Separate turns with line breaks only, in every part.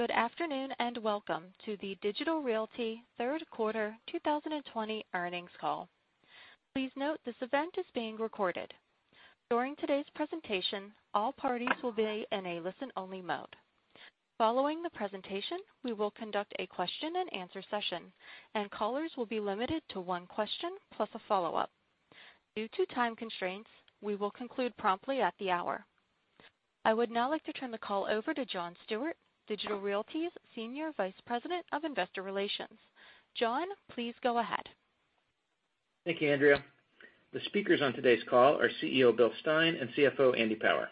Good afternoon, welcome to the Digital Realty third quarter 2020 earnings call. Please note this event is being recorded. During today's presentation, all parties will be in a listen-only mode. Following the presentation, we will conduct a question and answer session, and callers will be limited to one question plus a follow-up. Due to time constraints, we will conclude promptly at the hour. I would now like to turn the call over to John Stewart, Digital Realty's Senior Vice President of Investor Relations. John, please go ahead.
Thank you, Andrea. The speakers on today's call are CEO, Bill Stein, and CFO, Andy Power.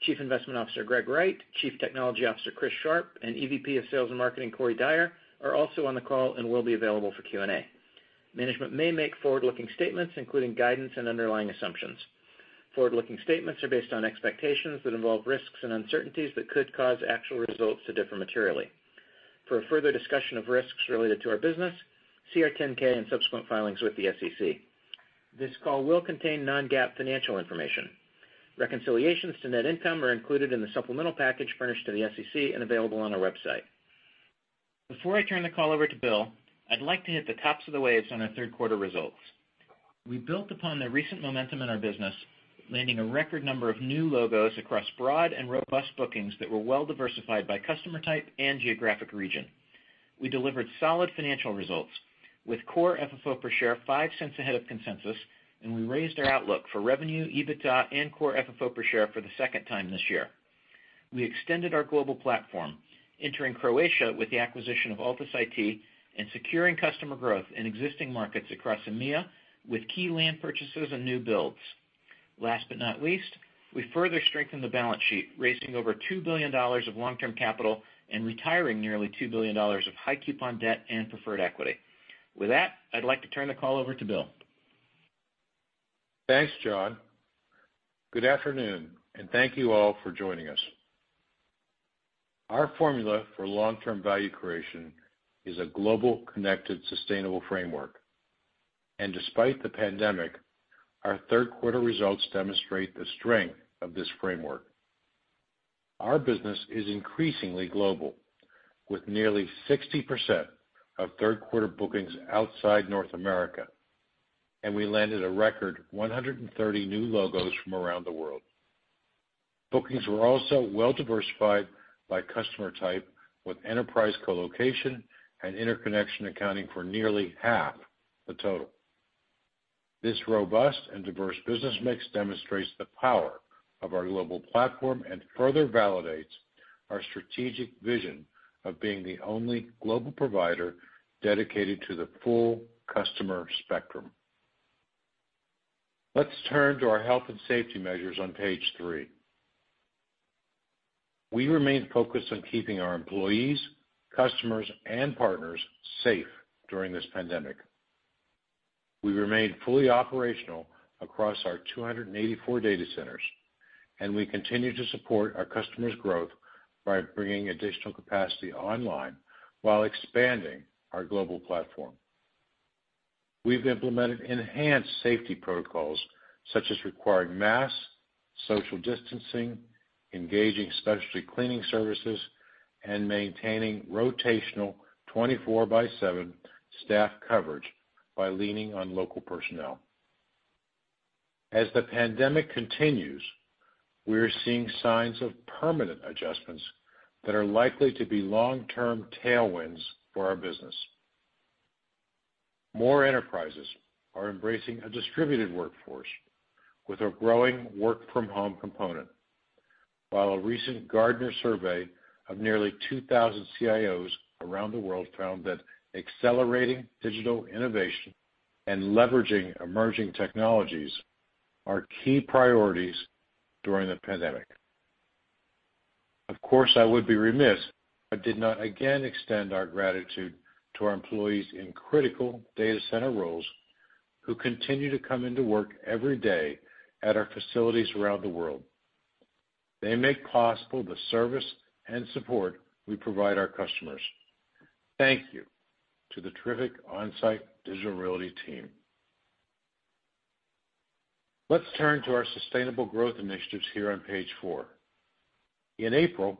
Chief Investment Officer, Greg Wright, Chief Technology Officer, Chris Sharp, and EVP of Sales and Marketing, Corey Dyer, are also on the call and will be available for Q&A. Management may make forward-looking statements, including guidance and underlying assumptions. Forward-looking statements are based on expectations that involve risks and uncertainties that could cause actual results to differ materially. For a further discussion of risks related to our business, see our 10-K and subsequent filings with the SEC. This call will contain non-GAAP financial information. Reconciliations to net income are included in the supplemental package furnished to the SEC and available on our website. Before I turn the call over to Bill, I'd like to hit the tops of the waves on our third quarter results. We built upon the recent momentum in our business, landing a record number of new logos across broad and robust bookings that were well-diversified by customer type and geographic region. We delivered solid financial results with core FFO per share $0.05 ahead of consensus, and we raised our outlook for revenue, EBITDA, and core FFO per share for the second time this year. We extended our global platform, entering Croatia with the acquisition of Altus IT and securing customer growth in existing markets across EMEA with key land purchases and new builds. Last but not least, we further strengthened the balance sheet, raising over $2 billion of long-term capital and retiring nearly $2 billion of high-coupon debt and preferred equity. With that, I'd like to turn the call over to Bill.
Thanks, John. Good afternoon, and thank you all for joining us. Our formula for long-term value creation is a global, connected, sustainable framework. Despite the pandemic, our third quarter results demonstrate the strength of this framework. Our business is increasingly global, with nearly 60% of third quarter bookings outside North America, and we landed a record 130 new logos from around the world. Bookings were also well-diversified by customer type, with enterprise colocation and interconnection accounting for nearly half the total. This robust and diverse business mix demonstrates the power of our global platform and further validates our strategic vision of being the only global provider dedicated to the full customer spectrum. Let's turn to our health and safety measures on page three. We remain focused on keeping our employees, customers, and partners safe during this pandemic. We remained fully operational across our 284 data centers, and we continue to support our customers' growth by bringing additional capacity online while expanding our global platform. We've implemented enhanced safety protocols, such as requiring masks, social distancing, engaging specialty cleaning services, and maintaining rotational 24/7 staff coverage by leaning on local personnel. As the pandemic continues, we are seeing signs of permanent adjustments that are likely to be long-term tailwinds for our business. More enterprises are embracing a distributed workforce with a growing work-from-home component, while a recent Gartner survey of nearly 2,000 CIOs around the world found that accelerating digital innovation and leveraging emerging technologies are key priorities during the pandemic. Of course, I would be remiss if I did not again extend our gratitude to our employees in critical data center roles who continue to come into work every day at our facilities around the world. They make possible the service and support we provide our customers. Thank you to the terrific on-site Digital Realty team. Let's turn to our sustainable growth initiatives here on page four. In April,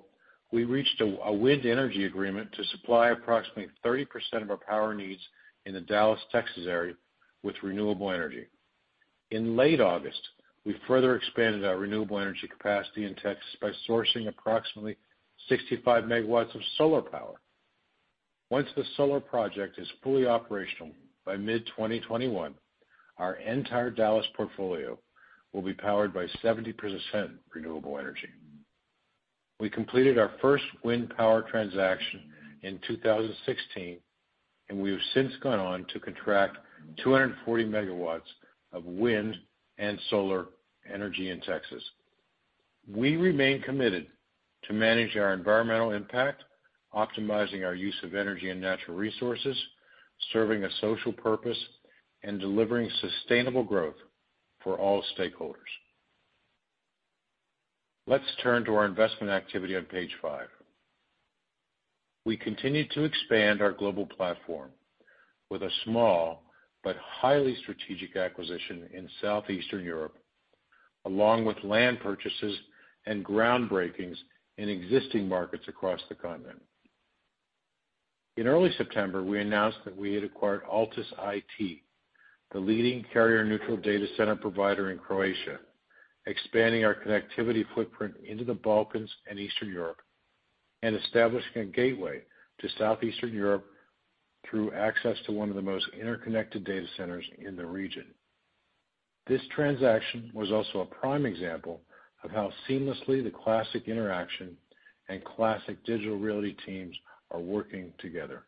we reached a wind energy agreement to supply approximately 30% of our power needs in the Dallas, Texas area with renewable energy. In late August, we further expanded our renewable energy capacity in Texas by sourcing approximately 65 megawatts of solar power. Once the solar project is fully operational by mid-2021, our entire Dallas portfolio will be powered by 70% renewable energy. We completed our first wind power transaction in 2016. We have since gone on to contract 240 MW of wind and solar energy in Texas. We remain committed to manage our environmental impact, optimizing our use of energy and natural resources, serving a social purpose, and delivering sustainable growth for all stakeholders. Let's turn to our investment activity on page five. We continue to expand our global platform with a small but highly strategic acquisition in Southeastern Europe. Along with land purchases and groundbreakings in existing markets across the continent. In early September, we announced that we had acquired Altus IT, the leading carrier-neutral data center provider in Croatia, expanding our connectivity footprint into the Balkans and Eastern Europe, and establishing a gateway to Southeastern Europe through access to one of the most interconnected data centers in the region. This transaction was also a prime example of how seamlessly the Classic Interxion and Classic Digital Realty teams are working together.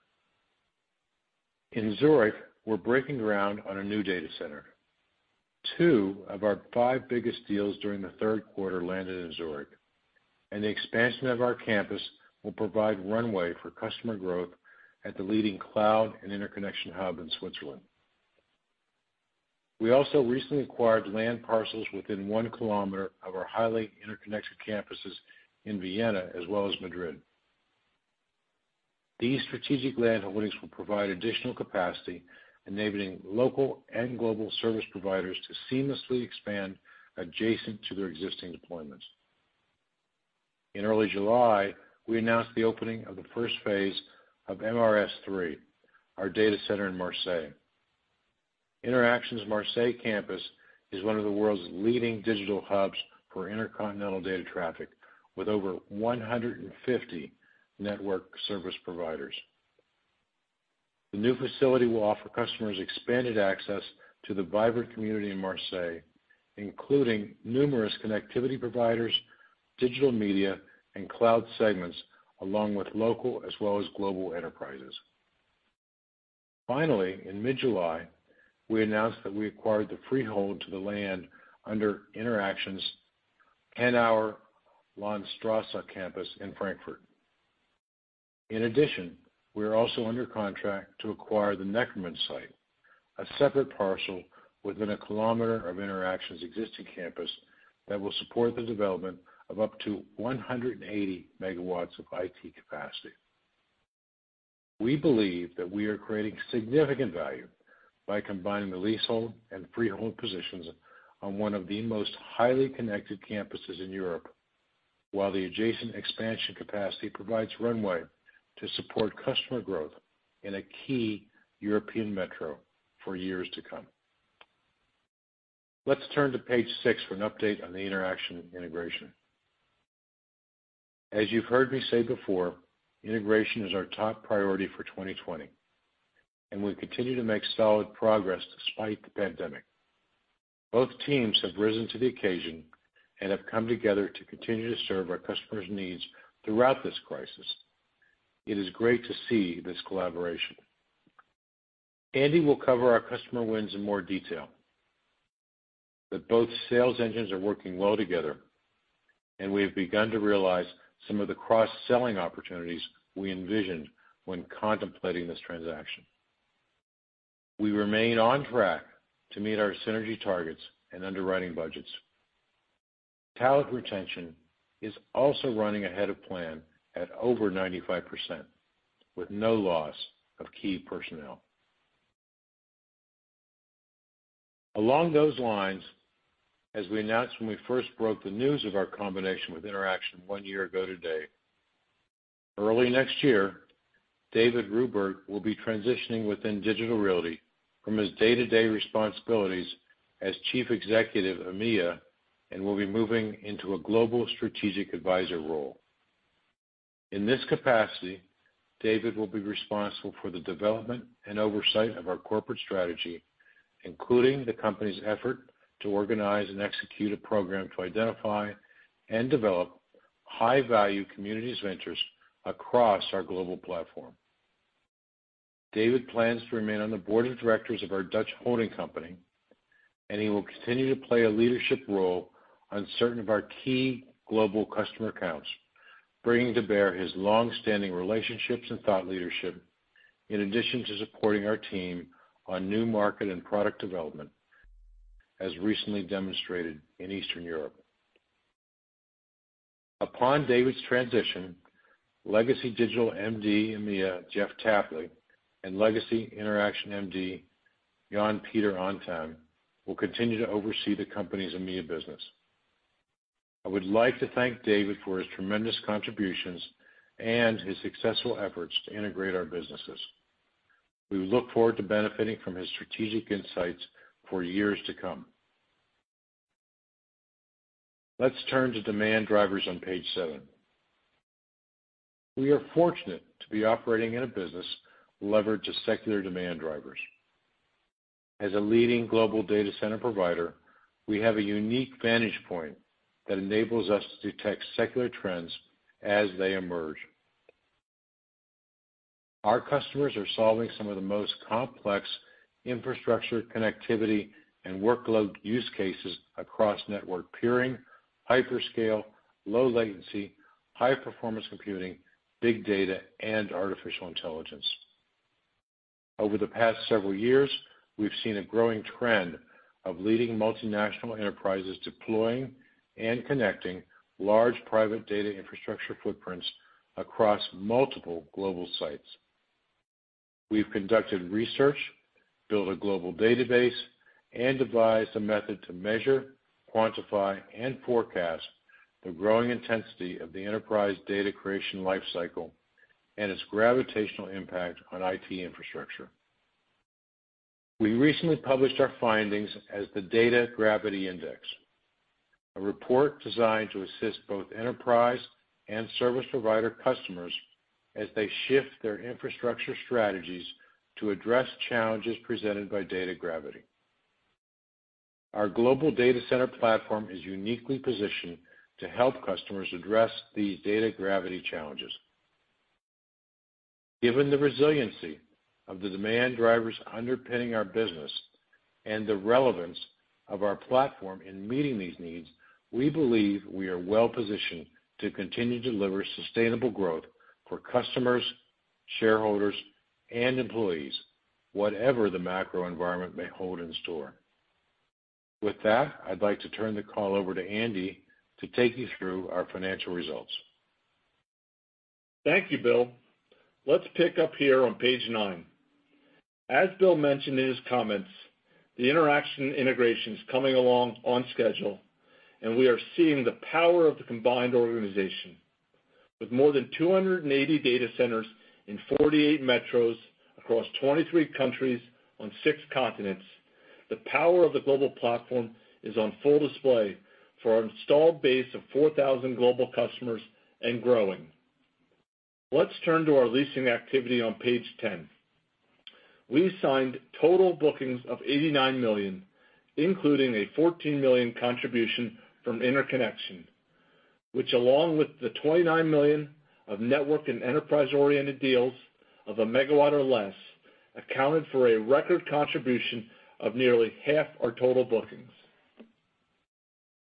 In Zurich, we're breaking ground on a new data center. Two of our five biggest deals during the third quarter landed in Zurich, and the expansion of our campus will provide runway for customer growth at the leading cloud and interconnection hub in Switzerland. We also recently acquired land parcels within one kilometer of our highly interconnected campuses in Vienna as well as Madrid. These strategic land holdings will provide additional capacity, enabling local and global service providers to seamlessly expand adjacent to their existing deployments. In early July, we announced the opening of the first phase of MRS3, our data center in Marseille. Interxion's Marseille campus is one of the world's leading digital hubs for intercontinental data traffic, with over 150 network service providers. The new facility will offer customers expanded access to the vibrant community in Marseille, including numerous connectivity providers, digital media, and cloud segments, along with local as well as global enterprises. Finally, in mid-July, we announced that we acquired the freehold to the land under Interxion's and our Hanauer Landstraße campus in Frankfurt. In addition, we are also under contract to acquire the Neckermann site, a separate parcel within a kilometer of Interxion's existing campus that will support the development of up to 180 MW of IT capacity. We believe that we are creating significant value by combining the leasehold and freehold positions on one of the most highly connected campuses in Europe, while the adjacent expansion capacity provides runway to support customer growth in a key European metro for years to come. Let's turn to page six for an update on the Interxion integration. As you've heard me say before, integration is our top priority for 2020, and we've continued to make solid progress despite the pandemic. Both teams have risen to the occasion and have come together to continue to serve our customers' needs throughout this crisis. It is great to see this collaboration. Andy will cover our customer wins in more detail. Both sales engines are working well together, and we have begun to realize some of the cross-selling opportunities we envisioned when contemplating this transaction. We remain on track to meet our synergy targets and underwriting budgets. Talent retention is also running ahead of plan at over 95%, with no loss of key personnel. Along those lines, as we announced when we first broke the news of our combination with Interxion one year ago today, early next year, David Ruberg will be transitioning within Digital Realty from his day-to-day responsibilities as Chief Executive EMEA, and will be moving into a Global Strategic Advisor role. In this capacity, David will be responsible for the development and oversight of our corporate strategy, including the company's effort to organize and execute a program to identify and develop high-value communities ventures across our global platform. David plans to remain on the board of directors of our Dutch holding company, and he will continue to play a leadership role on certain of our key global customer accounts, bringing to bear his long-standing relationships and thought leadership, in addition to supporting our team on new market and product development, as recently demonstrated in Eastern Europe. Upon David's transition, legacy Digital MD EMEA, Jeff Tapley, and legacy Interxion MD, Jan-Pieter Anten, will continue to oversee the company's EMEA business. I would like to thank David for his tremendous contributions and his successful efforts to integrate our businesses. We look forward to benefiting from his strategic insights for years to come. Let's turn to demand drivers on page seven. We are fortunate to be operating in a business levered to secular demand drivers. As a leading global data center provider, we have a unique vantage point that enables us to detect secular trends as they emerge. Our customers are solving some of the most complex infrastructure connectivity and workload use cases across network peering, hyperscale, low latency, high performance computing, big data, and artificial intelligence. Over the past several years, we've seen a growing trend of leading multinational enterprises deploying and connecting large private data infrastructure footprints across multiple global sites. We've conducted research, built a global database, and devised a method to measure, quantify, and forecast the growing intensity of the enterprise data creation life cycle and its gravitational impact on IT infrastructure. We recently published our findings as the Data Gravity Index, a report designed to assist both enterprise and service provider customers as they shift their infrastructure strategies to address challenges presented by data gravity. Our global data center platform is uniquely positioned to help customers address these data gravity challenges. Given the resiliency of the demand drivers underpinning our business and the relevance of our platform in meeting these needs, we believe we are well-positioned to continue to deliver sustainable growth for customers, shareholders, and employees, whatever the macro environment may hold in store. With that, I'd like to turn the call over to Andy to take you through our financial results.
Thank you, Bill. Let's pick up here on page nine. As Bill mentioned in his comments, the Interxion integration is coming along on schedule, and we are seeing the power of the combined organization. With more than 280 data centers in 48 metros across 23 countries on six continents, the power of the global platform is on full display for our installed base of 4,000 global customers and growing. Let's turn to our leasing activity on page 10. We signed total bookings of $89 million, including a $14 million contribution from Interxion, which, along with the $29 million of network and enterprise-oriented deals of 1 MW or less, accounted for a record contribution of nearly half our total bookings.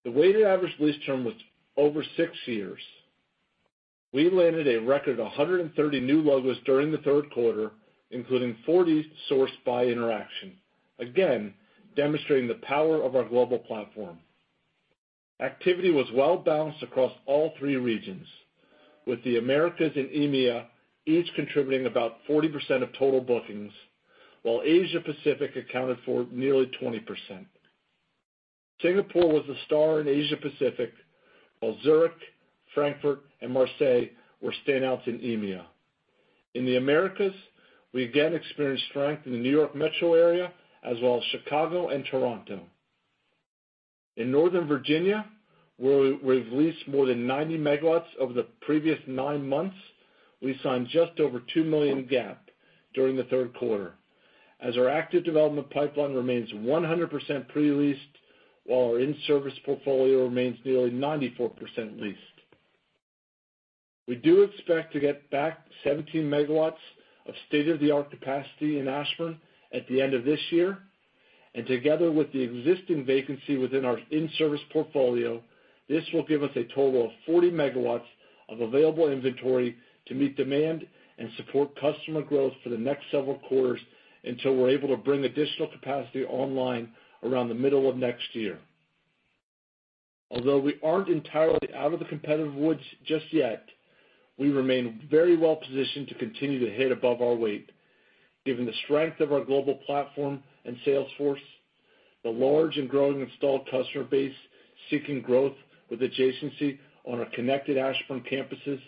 The weighted average lease term was over six years. We landed a record 130 new logos during the third quarter, including 40 sourced by Interxion, again, demonstrating the power of our global platform. Activity was well-balanced across all three regions, with the Americas and EMEA each contributing about 40% of total bookings, while Asia-Pacific accounted for nearly 20%. Singapore was the star in Asia-Pacific, while Zurich, Frankfurt, and Marseille were standouts in EMEA. In the Americas, we again experienced strength in the New York metro area, as well as Chicago and Toronto. In Northern Virginia, where we've leased more than 90 megawatts over the previous nine months, we signed just over $2 million GAAP during the third quarter, as our active development pipeline remains 100% pre-leased, while our in-service portfolio remains nearly 94% leased. We do expect to get back 17 MW of state-of-the-art capacity in Ashburn at the end of this year. Together with the existing vacancy within our in-service portfolio, this will give us a total of 40 MW of available inventory to meet demand and support customer growth for the next several quarters until we're able to bring additional capacity online around the middle of next year. Although we aren't entirely out of the competitive woods just yet, we remain very well-positioned to continue to hit above our weight, given the strength of our global platform and sales force, the large and growing installed customer base seeking growth with adjacency on our connected Ashburn campuses,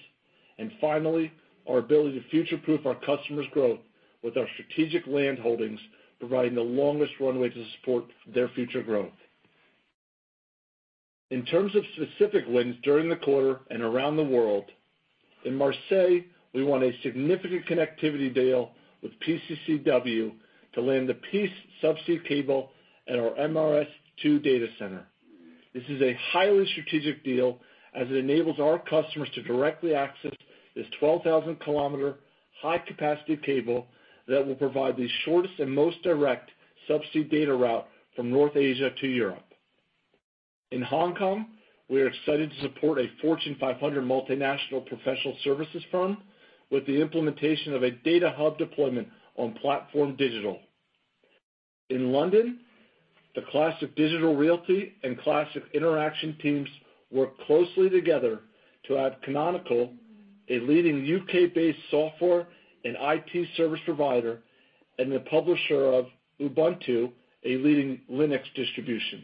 and finally, our ability to future-proof our customers' growth with our strategic land holdings, providing the longest runway to support their future growth. In terms of specific wins during the quarter and around the world, in Marseille, we won a significant connectivity deal with PCCW to land the PEACE subsea cable at our MRS2 data center. This is a highly strategic deal, as it enables our customers to directly access this 12,000-kilometer, high-capacity cable that will provide the shortest and most direct subsea data route from North Asia to Europe. In Hong Kong, we are excited to support a Fortune 500 multinational professional services firm with the implementation of a data hub deployment on PlatformDIGITAL. In London, the Classic Digital Realty and Classic Interxion teams worked closely together to add Canonical, a leading U.K.-based software and IT service provider, and the publisher of Ubuntu, a leading Linux distribution.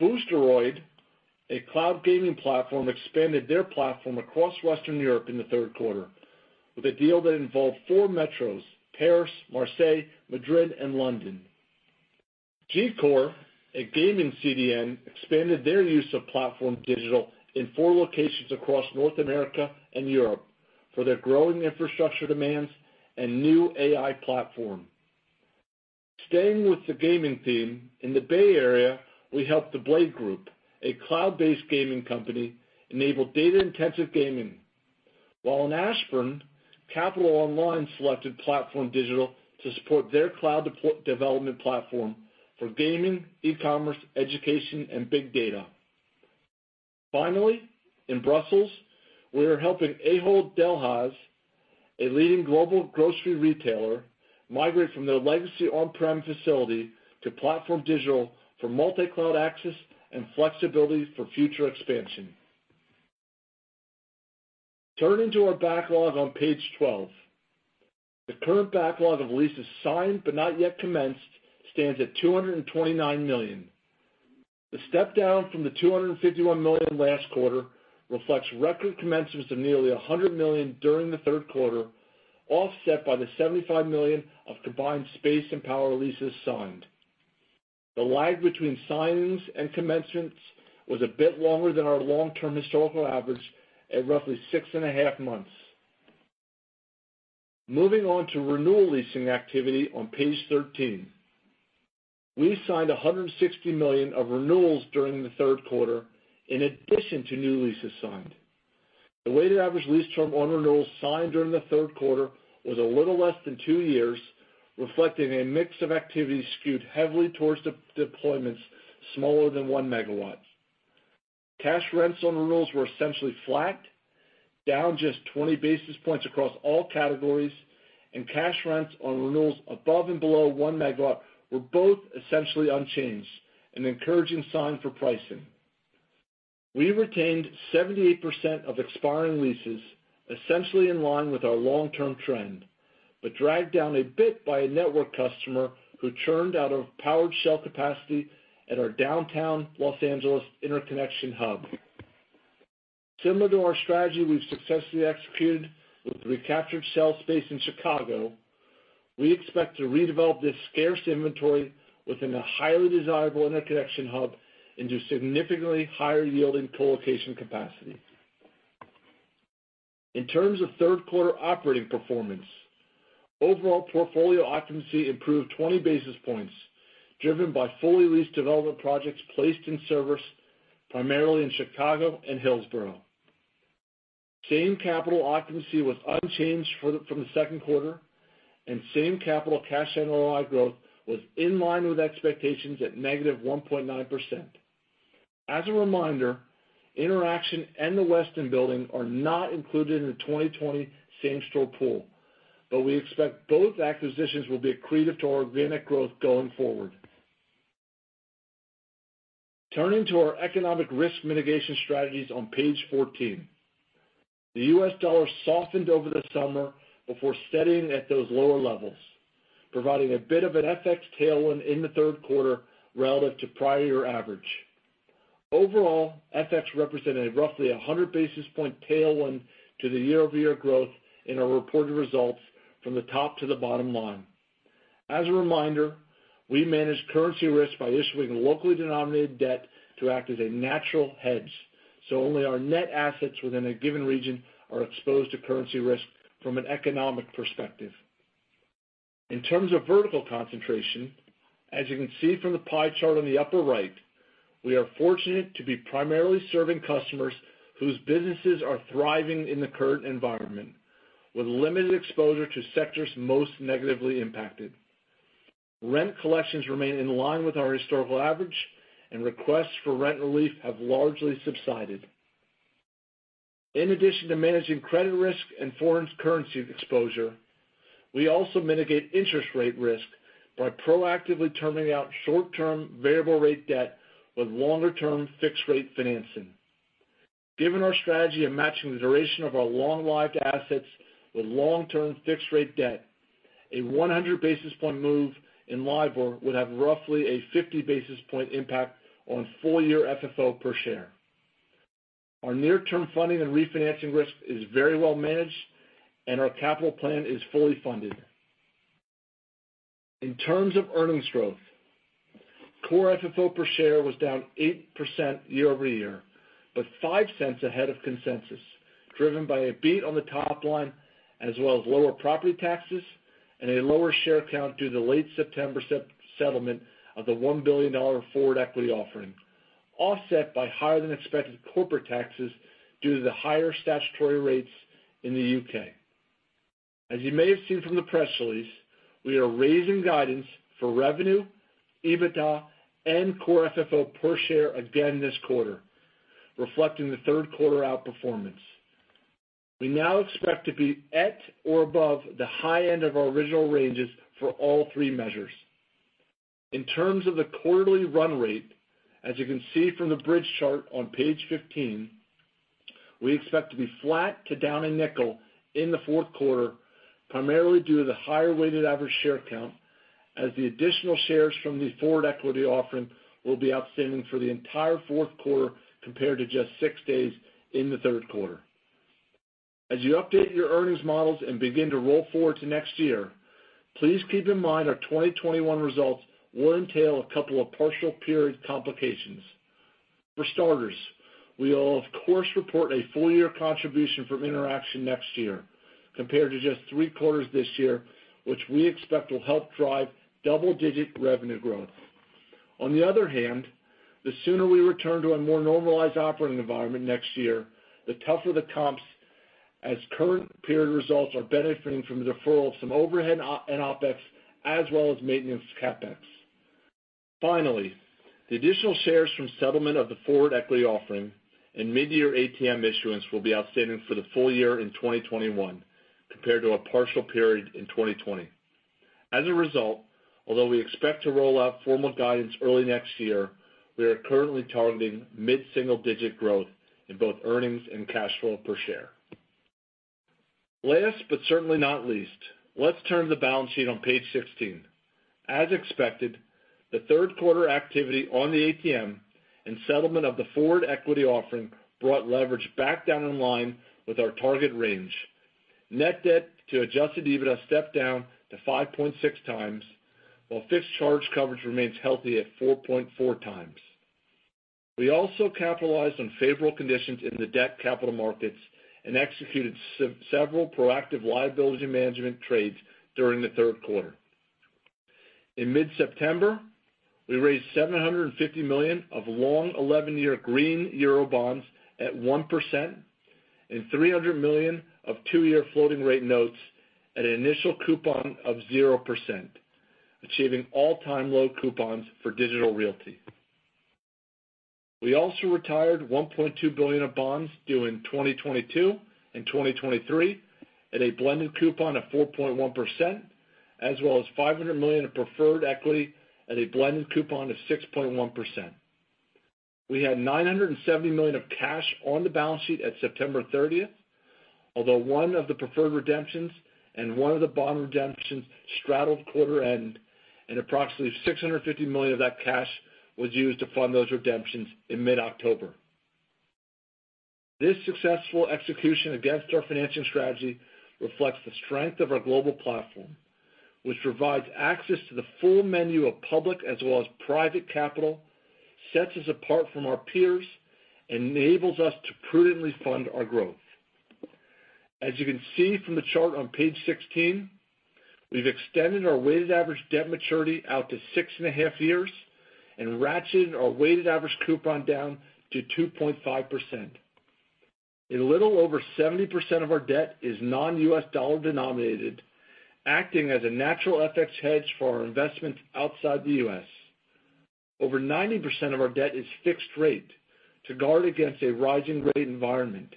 Boosteroid, a cloud gaming platform, expanded their platform across Western Europe in the third quarter with a deal that involved four metros, Paris, Marseille, Madrid, and London. Gcore, a gaming CDN, expanded their use of PlatformDIGITAL in four locations across North America and Europe for their growing infrastructure demands and new AI platform. Staying with the gaming theme, in the Bay Area, we helped the Blade Group, a cloud-based gaming company, enable data-intensive gaming. While in Ashburn, Capital One selected PlatformDIGITAL to support their cloud development platform for gaming, e-commerce, education, and big data. In Brussels, we are helping Ahold Delhaize, a leading global grocery retailer, migrate from their legacy on-prem facility to PlatformDIGITAL for multi-cloud access and flexibility for future expansion. Turning to our backlog on page 12. The current backlog of leases signed but not yet commenced stands at $229 million. The step-down from the $251 million last quarter reflects record commencements of nearly $100 million during the third quarter, offset by the $75 million of combined space and power leases signed. The lag between signings and commencements was a bit longer than our long-term historical average at roughly six and a half months. Moving on to renewal leasing activity on page 13. We signed $160 million of renewals during the third quarter, in addition to new leases signed. The weighted average lease term on renewals signed during the third quarter was a little less than two years, reflecting a mix of activity skewed heavily towards deployments smaller than one megawatt. Cash rents on renewals were essentially flat, down just 20 basis points across all categories, and cash rents on renewals above and below one megawatt were both essentially unchanged, an encouraging sign for pricing. We retained 78% of expiring leases, essentially in line with our long-term trend, but dragged down a bit by a network customer who churned out of powered shell capacity at our downtown Los Angeles interconnection hub. Similar to our strategy we've successfully executed with recaptured shell space in Chicago, we expect to redevelop this scarce inventory within a highly desirable interconnection hub into significantly higher yielding colocation capacity. In terms of third quarter operating performance, overall portfolio occupancy improved 20 basis points, driven by fully leased development projects placed in service, primarily in Chicago and Hillsboro. Same-capital occupancy was unchanged from the second quarter, and same-capital cash NOI growth was in line with expectations at -1.9%. As a reminder, Interxion and the Westin Building Exchange are not included in the 2020 same-store pool, but we expect both acquisitions will be accretive to our VNET growth going forward. Turning to our economic risk mitigation strategies on page 14. The U.S. dollar softened over the summer before steadying at those lower levels, providing a bit of an Fx tailwind in the third quarter relative to prior year average. Overall, Fx represented roughly 100 basis point tailwind to the year-over-year growth in our reported results from the top to the bottom line. As a reminder, we manage currency risk by issuing locally denominated debt to act as a natural hedge, so only our net assets within a given region are exposed to currency risk from an economic perspective. In terms of vertical concentration, as you can see from the pie chart on the upper right, we are fortunate to be primarily serving customers whose businesses are thriving in the current environment, with limited exposure to sectors most negatively impacted. Rent collections remain in line with our historical average, and requests for rent relief have largely subsided. In addition to managing credit risk and foreign currency exposure, we also mitigate interest rate risk by proactively turning out short-term variable rate debt with longer-term fixed rate financing. Given our strategy of matching the duration of our long-lived assets with long-term fixed rate debt, a 100 basis point move in LIBOR would have roughly a 50 basis point impact on full-year FFO per share. Our near-term funding and refinancing risk is very well managed, and our capital plan is fully funded. In terms of earnings growth, core FFO per share was down 8% year-over-year, but $0.05 ahead of consensus, driven by a beat on the top line, as well as lower property taxes and a lower share count due to the late September settlement of the $1 billion forward equity offering, offset by higher than expected corporate taxes due to the higher statutory rates in the U.K. You may have seen from the press release, we are raising guidance for revenue, EBITDA, and core FFO per share again this quarter, reflecting the third quarter outperformance. We now expect to be at or above the high end of our original ranges for all three measures. In terms of the quarterly run rate, as you can see from the bridge chart on page 15, we expect to be flat to down $0.05 in the fourth quarter, primarily due to the higher weighted average share count, as the additional shares from the forward equity offering will be outstanding for the entire fourth quarter, compared to just six days in the third quarter. As you update your earnings models and begin to roll forward to next year, please keep in mind our 2021 results will entail a couple of partial period complications. For starters, we will of course, report a full-year contribution from Interxion next year, compared to just three quarters this year, which we expect will help drive double-digit revenue growth. The sooner we return to a more normalized operating environment next year, the tougher the comps as current period results are benefiting from the deferral of some overhead and OpEx, as well as maintenance CapEx. Finally, the additional shares from settlement of the forward equity offering and midyear ATM issuance will be outstanding for the full year in 2021, compared to a partial period in 2020. As a result, although we expect to roll out formal guidance early next year, we are currently targeting mid-single-digit growth in both earnings and cash flow per share. Let's turn to the balance sheet on page 16. As expected, the third quarter activity on the ATM and settlement of the forward equity offering brought leverage back down in line with our target range. Net debt to adjusted EBITDA stepped down to 5.6x, while fixed charge coverage remains healthy at 4.4x. We also capitalized on favorable conditions in the debt capital markets and executed several proactive liability management trades during the third quarter. In mid-September, we raised 750 million of long 11-year green euro bonds at 1% and 300 million of two-year floating rate notes at an initial coupon of 0%, achieving all-time low coupons for Digital Realty. We also retired $1.2 billion of bonds due in 2022 and 2023 at a blended coupon of 4.1%, as well as $500 million of preferred equity at a blended coupon of 6.1%. We had $970 million of cash on the balance sheet at September 30th. Although one of the preferred redemptions and one of the bond redemptions straddled quarter end, and approximately $650 million of that cash was used to fund those redemptions in mid-October. This successful execution against our financing strategy reflects the strength of our global platform, which provides access to the full menu of public as well as private capital, sets us apart from our peers, and enables us to prudently fund our growth. As you can see from the chart on page 16, we've extended our weighted average debt maturity out to 6.5 years and ratcheted our weighted average coupon down to 2.5%. A little over 70% of our debt is non-U.S. dollar denominated, acting as a natural Fx hedge for our investments outside the U.S. Over 90% of our debt is fixed rate to guard against a rising rate environment,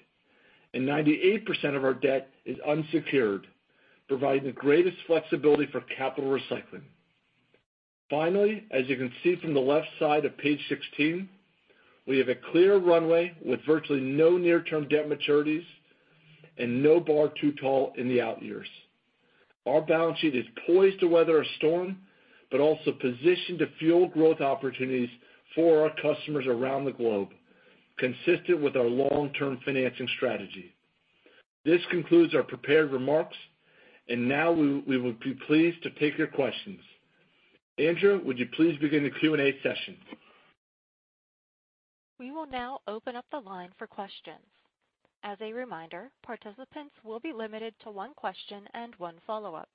and 98% of our debt is unsecured, providing the greatest flexibility for capital recycling. Finally, as you can see from the left side of page 16, we have a clear runway with virtually no near-term debt maturities and no bar too tall in the out years. Our balance sheet is poised to weather a storm, but also positioned to fuel growth opportunities for our customers around the globe, consistent with our long-term financing strategy. This concludes our prepared remarks, and now we would be pleased to take your questions. Andrea, would you please begin the Q&A session?
We will now open up the line for questions. As a reminder, participants will be limited to one question and one follow-up.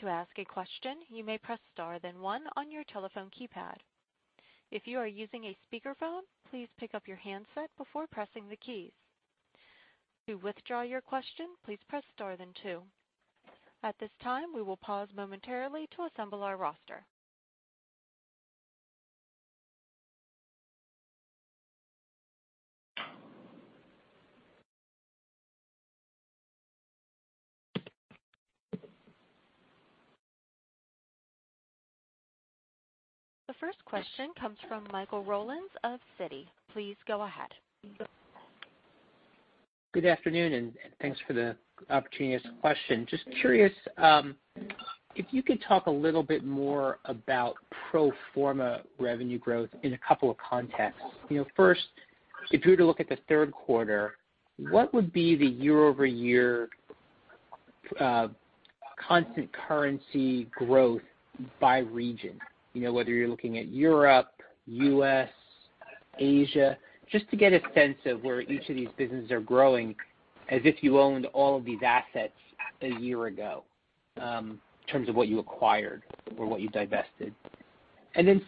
To ask a question, you may press star then one on your telephone keypad. If you are using a speakerphone, please pick up your handset before pressing the keys. To withdraw your question, please press star then two. At this time, we will pause momentarily to assemble our roster. The first question comes from Michael Rollins of Citi. Please go ahead.
Good afternoon. Thanks for the opportunity to question. Just curious if you could talk a little bit more about pro forma revenue growth in a couple of contexts. First, if we were to look at the third quarter, what would be the year-over-year constant currency growth by region? Whether you're looking at Europe, U.S., Asia, just to get a sense of where each of these businesses are growing as if you owned all of these assets a year ago in terms of what you acquired or what you divested.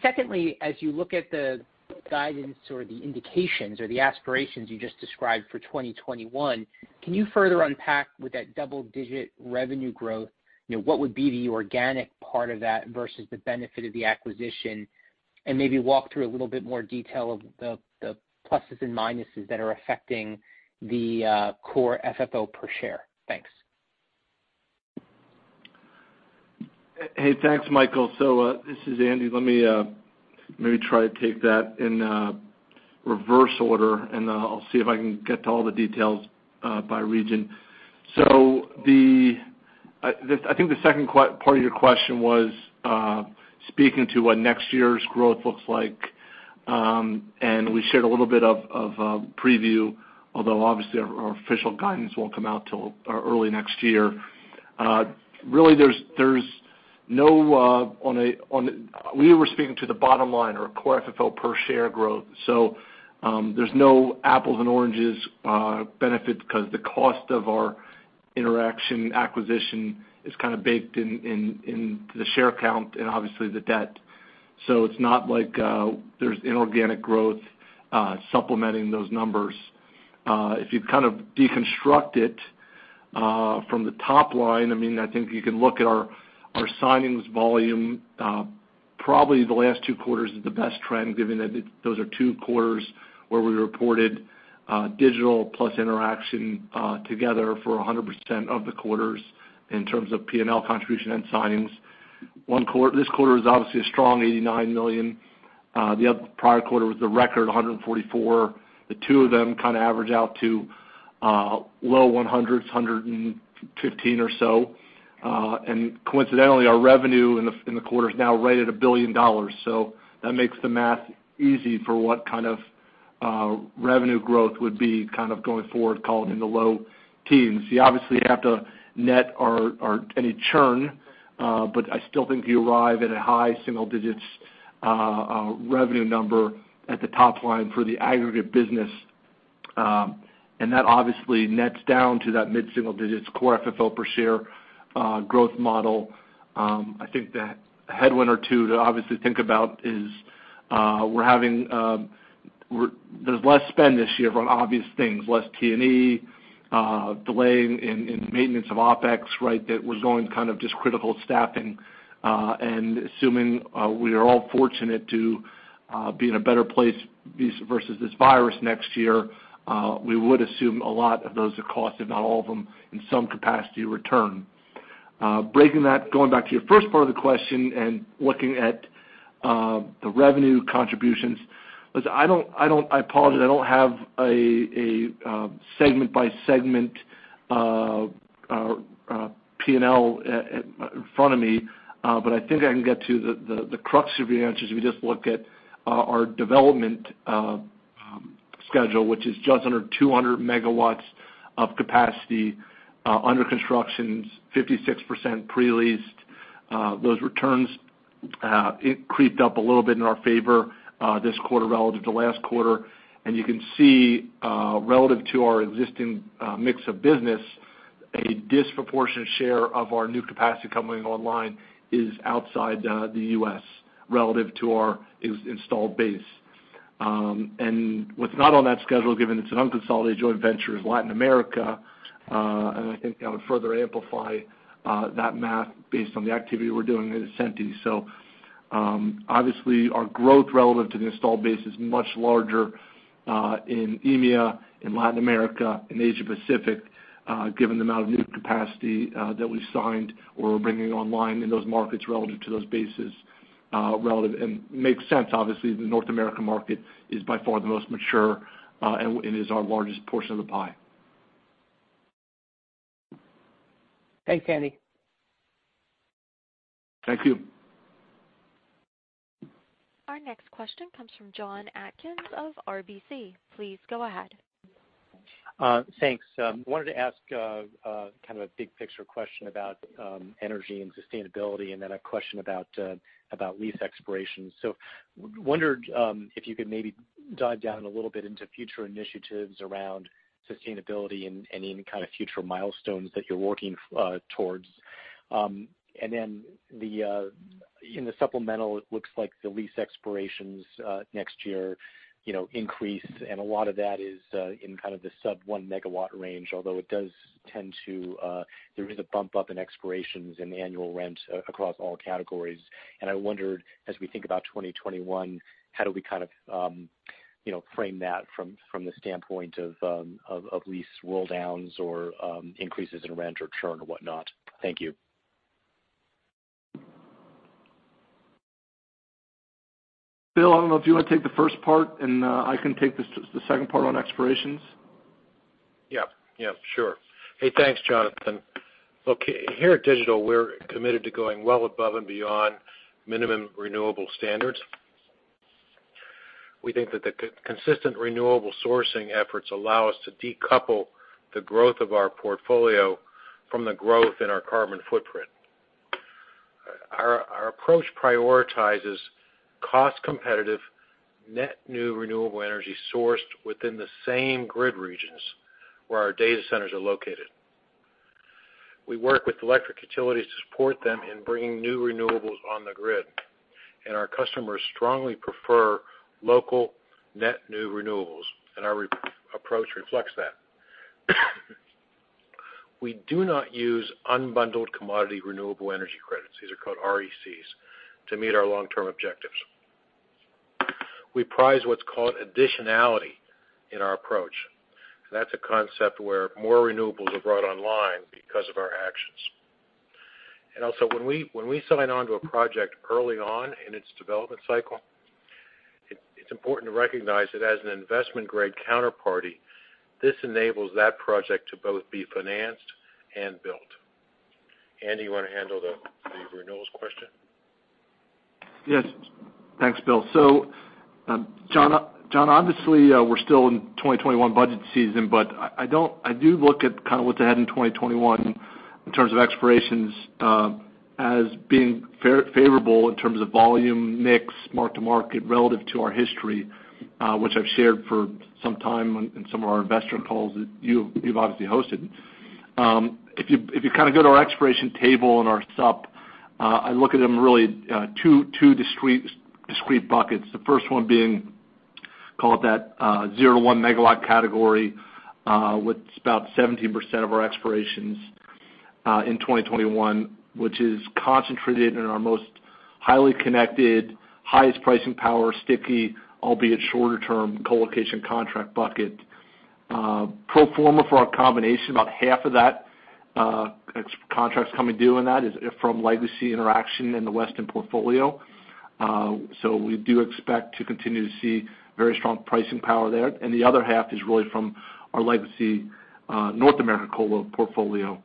Secondly, as you look at the guidance or the indications or the aspirations you just described for 2021, can you further unpack with that double-digit revenue growth, what would be the organic part of that versus the benefit of the acquisition, and maybe walk through a little bit more detail of the pluses and minuses that are affecting the core FFO per share? Thanks.
Hey, thanks, Michael. This is Andy. Let me maybe try to take that in reverse order, and I'll see if I can get to all the details by region. I think the second part of your question was speaking to what next year's growth looks like, and we shared a little bit of a preview, although obviously our official guidance won't come out till early next year. Really we were speaking to the bottom line or core FFO per share growth. There's no apples and oranges benefit because the cost of our Interxion acquisition is kind of baked into the share count and obviously the debt. It's not like there's inorganic growth supplementing those numbers. If you kind of deconstruct it from the top line, I think you can look at our signings volume. Probably the last two quarters is the best trend, given that those are two quarters where we reported Digital Realty plus Interxion together for 100% of the quarters in terms of P&L contribution and signings. This quarter is obviously a strong $89 million. The prior quarter was the record, $144 million. The two of them kind of average out to low $100 million, $115 million or so. Coincidentally, our revenue in the quarter is now right at $1 billion. That makes the math easy for what kind of revenue growth would be kind of going forward, call it in the low teens. You obviously have to net any churn, but I still think you arrive at a high single digits revenue number at the top line for the aggregate business. That obviously nets down to that mid-single-digits core FFO per share growth model. I think the headwind or two to obviously think about is there's less spend this year on obvious things, less T&E, delaying in maintenance of OpEx, that was going kind of just critical staffing. Assuming we are all fortunate to be in a better place versus this virus next year, we would assume a lot of those costs, if not all of them, in some capacity, return. Breaking that, going back to your first part of the question and looking at the revenue contributions, I apologize, I don't have a segment by segment P&L in front of me, but I think I can get to the crux of your answers if you just look at our development schedule, which is just under 200 MW of capacity, under construction 56% pre-leased. Those returns creeped up a little bit in our favor this quarter relative to last quarter. You can see, relative to our existing mix of business, a disproportionate share of our new capacity coming online is outside the U.S. relative to our installed base. What's not on that schedule, given it's an unconsolidated joint venture, is Latin America. I think I would further amplify that math based on the activity we're doing at Ascenty. Obviously our growth relative to the installed base is much larger in EMEA, in Latin America, in Asia Pacific, given the amount of new capacity that we signed or we're bringing online in those markets relative to those bases. It makes sense. Obviously, the North American market is by far the most mature, and is our largest portion of the pie.
Thanks, Andy.
Thank you.
Our next question comes from Jonathan Atkin of RBC. Please go ahead.
Thanks. Wanted to ask kind of a big picture question about energy and sustainability, then a question about lease expirations. Wondered if you could maybe dive down a little bit into future initiatives around sustainability and any kind of future milestones that you're working towards. Then in the supplemental, it looks like the lease expirations next year increased. A lot of that is in kind of the sub 1 megawatt range, although there is a bump up in expirations in the annual rent across all categories. I wondered, as we think about 2021, how do we kind of frame that from the standpoint of lease rolldowns or increases in rent or churn or whatnot? Thank you.
Bill, I don't know if you want to take the first part, and I can take the second part on expirations.
Yeah. Sure. Hey, thanks, Jonathan. Look, here at Digital, we're committed to going well above and beyond minimum renewable standards. We think that the consistent renewable sourcing efforts allow us to decouple the growth of our portfolio from the growth in our carbon footprint. Our approach prioritizes cost competitive, net new renewable energy sourced within the same grid regions where our data centers are located. We work with electric utilities to support them in bringing new renewables on the grid, and our customers strongly prefer local net new renewables, and our approach reflects that. We do not use unbundled commodity renewable energy credits, these are called RECs, to meet our long-term objectives. We prize what's called additionality in our approach. That's a concept where more renewables are brought online because of our actions. Also when we sign on to a project early on in its development cycle, it's important to recognize that as an investment-grade counterparty, this enables that project to both be financed and built. Andy, you want to handle the renewals question?
Yes. Thanks, Bill. John, obviously, we're still in 2021 budget season, but I do look at kind of what's ahead in 2021 in terms of expirations, as being favorable in terms of volume, mix, mark to market relative to our history, which I've shared for some time in some of our investor calls that you've obviously hosted. If you kind of go to our expiration table in our sup, I look at them really two discrete buckets. The first one being, call it that 0-1 megawatt category, with about 17% of our expirations in 2021, which is concentrated in our most highly connected, highest pricing power, sticky, albeit shorter term colocation contract bucket. Pro forma for our combination, about half of that contracts coming due on that is from legacy Interxion in the Western portfolio. So we do expect to continue to see very strong pricing power there. The other half is really from our legacy North America colo portfolio.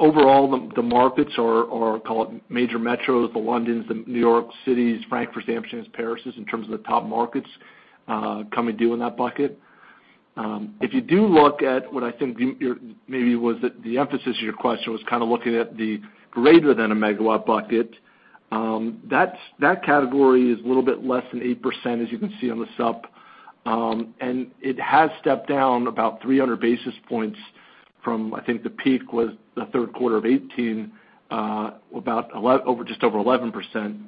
Overall, the markets are, call it major metros, the Londons, the New York Cities, Frankfurts, Amsterdams, Parises, in terms of the top markets coming due in that bucket. If you do look at what I think maybe was the emphasis of your question, was kind of looking at the greater than a megawatt bucket. That category is a little bit less than 8%, as you can see on the sup. It has stepped down about 300 basis points from, I think the peak was the third quarter of 2018, just over 11%.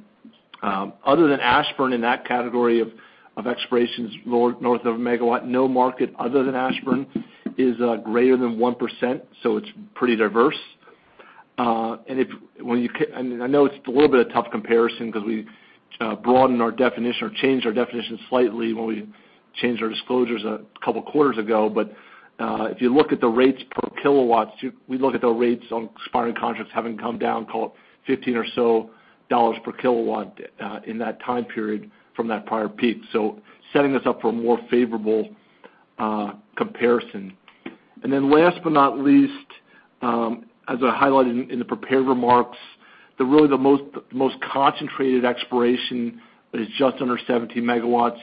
Other than Ashburn in that category of expirations north of a megawatt, no market other than Ashburn is greater than 1%, so it's pretty diverse. I know it's a little bit of a tough comparison because we broadened our definition or changed our definition slightly when we changed our disclosures a couple of quarters ago. If you look at the rates per kilowatts, we look at the rates on expiring contracts having come down, call it $15 or so per kilowatt in that time period from that prior peak. So setting this up for a more favorable comparison. Then last but not least, as I highlighted in the prepared remarks, really the most concentrated expiration is just under 17 megawatts.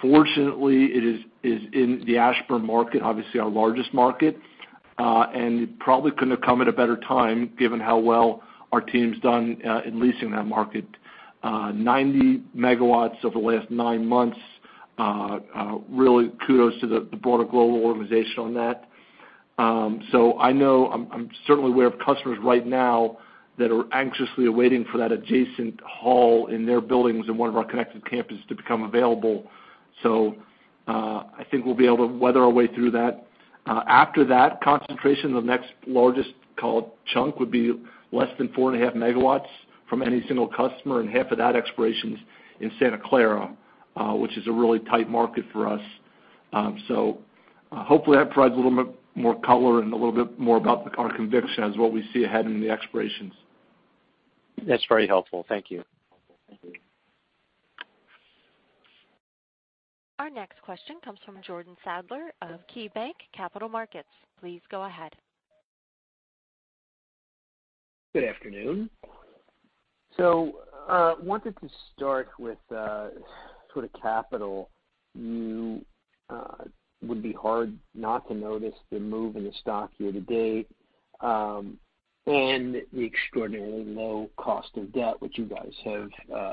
Fortunately, it is in the Ashburn market, obviously our largest market. It probably couldn't have come at a better time, given how well our team's done in leasing that market. 90 megawatts over the last nine months, really kudos to the broader global organization on that. I know, I'm certainly aware of customers right now that are anxiously awaiting for that adjacent hall in their buildings in one of our connected campuses to become available. I think we'll be able to weather our way through that. After that concentration, the next largest chunk would be less than 4.5 MW from any single customer, and half of that expiration's in Santa Clara, which is a really tight market for us. Hopefully that provides a little bit more color and a little bit more about our conviction as what we see ahead in the expirations.
That's very helpful. Thank you.
Thank you.
Our next question comes from Jordan Sadler of KeyBanc Capital Markets. Please go ahead.
Good afternoon. Wanted to start with sort of capital. It would be hard not to notice the move in the stock year to date, and the extraordinarily low cost of debt which you guys have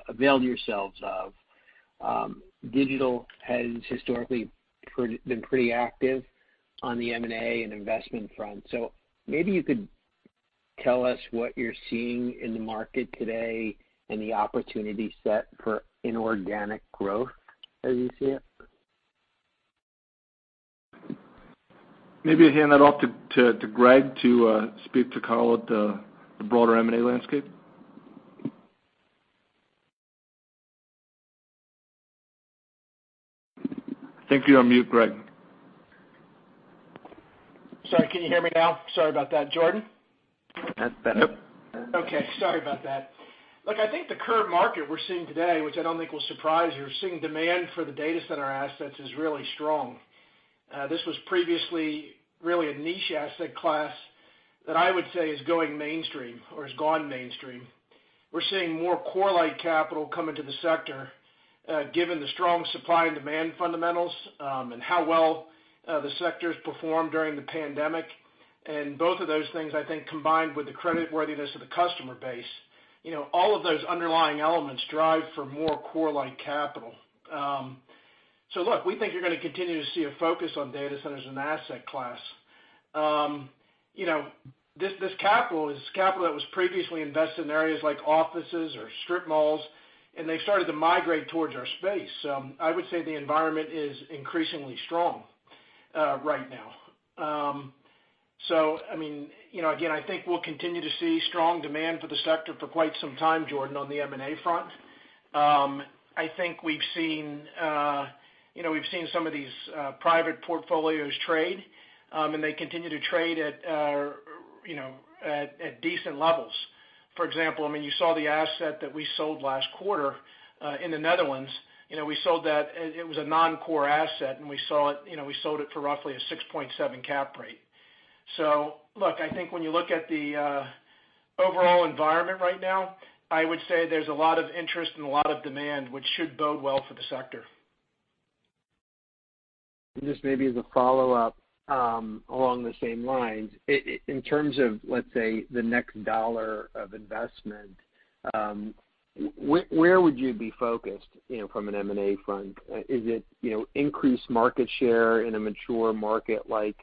availed yourselves of. Digital has historically been pretty active on the M&A and investment front. Maybe you could tell us what you're seeing in the market today and the opportunity set for inorganic growth as you see it.
Maybe I hand that off to Greg to speak to kind of the broader M&A landscape. I think you're on mute, Greg.
Sorry, can you hear me now? Sorry about that, Jordan.
That's better.
Okay. Sorry about that. Look, I think the current market we're seeing today, which I don't think will surprise you. We're seeing demand for the data center assets is really strong. This was previously really a niche asset class that I would say is going mainstream or has gone mainstream. We're seeing more core-like capital come into the sector, given the strong supply and demand fundamentals, and how well the sector's performed during the pandemic. Both of those things, I think, combined with the credit worthiness of the customer base, all of those underlying elements drive for more core-like capital. Look, we think you're going to continue to see a focus on data centers and asset class. This capital is capital that was previously invested in areas like offices or strip malls, and they've started to migrate towards our space. I would say the environment is increasingly strong right now. Again, I think we'll continue to see strong demand for the sector for quite some time, Jordan, on the M&A front. I think we've seen some of these private portfolios trade, and they continue to trade at decent levels. For example, you saw the asset that we sold last quarter, in the Netherlands. We sold that, it was a non-core asset, and we sold it for roughly a 6.7 cap rate. Look, I think when you look at the overall environment right now, I would say there's a lot of interest and a lot of demand, which should bode well for the sector.
Just maybe as a follow-up along the same lines. In terms of, let's say, the next dollar of investment, where would you be focused from an M&A front? Is it increased market share in a mature market like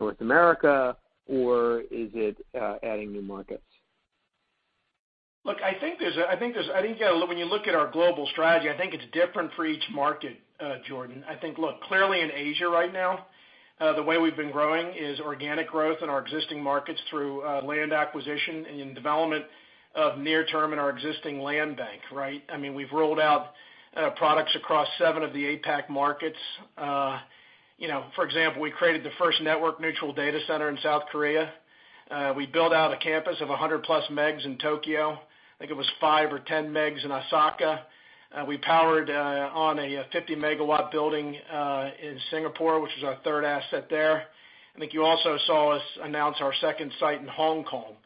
North America, or is it adding new markets?
Look, when you look at our global strategy, I think it's different for each market, Jordan. I think, look, clearly in Asia right now, the way we've been growing is organic growth in our existing markets through land acquisition and development of near-term in our existing land bank. We've rolled out products across seven of the APAC markets. For example, we created the first network-neutral data center in South Korea. We built out a campus of 100+ megs in Tokyo. I think it was five or 10 megs in Osaka. We powered on a 50-megawatt building in Singapore, which is our third asset there. I think you also saw us announce our second site in Hong Kong.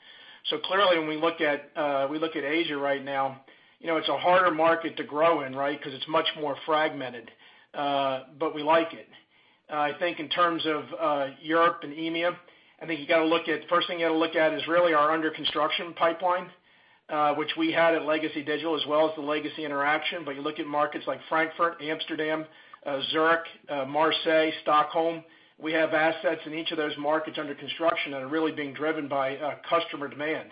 Clearly, when we look at Asia right now, it's a harder market to grow in because it's much more fragmented. We like it. I think in terms of Europe and EMEA, I think first thing you got to look at is really our under-construction pipeline, which we had at legacy Digital as well as the legacy Interxion. You look at markets like Frankfurt, Amsterdam, Zurich, Marseille, Stockholm, we have assets in each of those markets under construction and are really being driven by customer demand.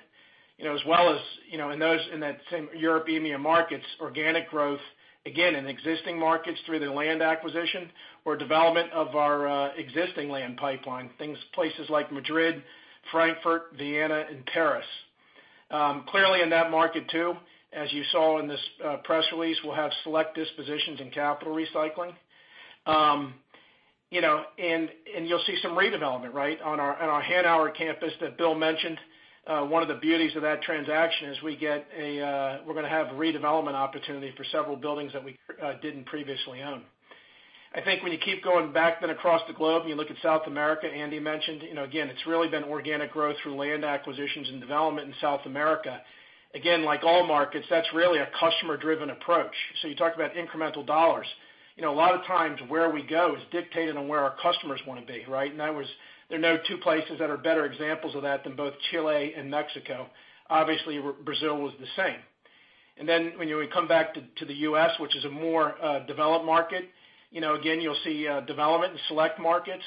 As well as in that same Europe EMEA markets, organic growth, again, in existing markets through the land acquisition or development of our existing land pipeline, places like Madrid, Frankfurt, Vienna, and Paris. Clearly in that market too, as you saw in this press release, we'll have select dispositions in capital recycling. You'll see some redevelopment on our Hanauer campus that Bill mentioned. One of the beauties of that transaction is we're going to have a redevelopment opportunity for several buildings that we didn't previously own. I think when you keep going back then across the globe and you look at South America, Andy mentioned, again, it's really been organic growth through land acquisitions and development in South America. Like all markets, that's really a customer-driven approach. You talk about incremental dollars. A lot of times where we go is dictated on where our customers want to be. There are no two places that are better examples of that than both Chile and Mexico. Obviously, Brazil was the same. When we come back to the U.S., which is a more developed market, again, you'll see development in select markets.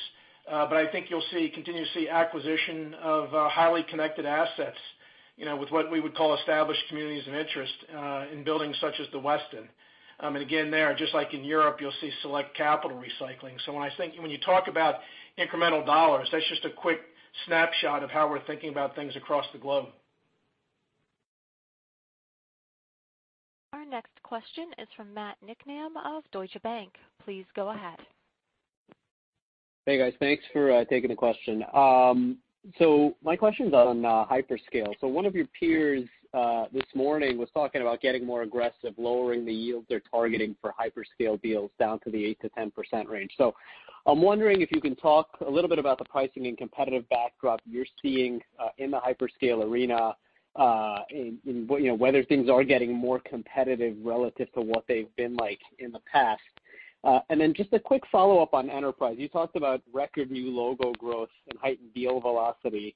I think you'll continue to see acquisition of highly connected assets, with what we would call established communities of interest in buildings such as the Westin. Again, there, just like in Europe, you'll see select capital recycling. When you talk about incremental dollars, that's just a quick snapshot of how we're thinking about things across the globe.
Our next question is from Matt Niknam of Deutsche Bank. Please go ahead.
Hey, guys. Thanks for taking the question. My question's on hyperscale. One of your peers this morning was talking about getting more aggressive, lowering the yields they're targeting for hyperscale deals down to the 8%-10% range. I'm wondering if you can talk a little bit about the pricing and competitive backdrop you're seeing in the hyperscale arena, and whether things are getting more competitive relative to what they've been like in the past. Just a quick follow-up on enterprise. You talked about record new logo growth and heightened deal velocity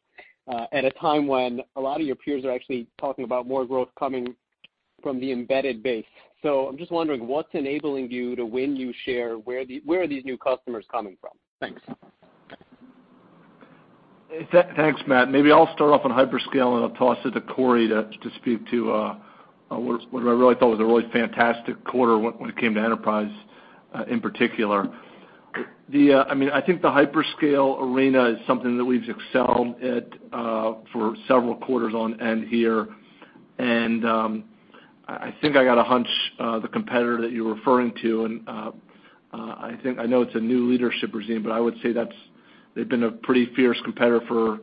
at a time when a lot of your peers are actually talking about more growth coming from the embedded base. I'm just wondering, what's enabling you to win new share? Where are these new customers coming from? Thanks.
Thanks, Matt. Maybe I'll start off on hyperscale, and I'll toss it to Corey to speak to what I really thought was a really fantastic quarter when it came to enterprise in particular. I think the hyperscale arena is something that we've excelled at for several quarters on end here. I think I got a hunch the competitor that you're referring to, and I know it's a new leadership regime, but I would say they've been a pretty fierce competitor for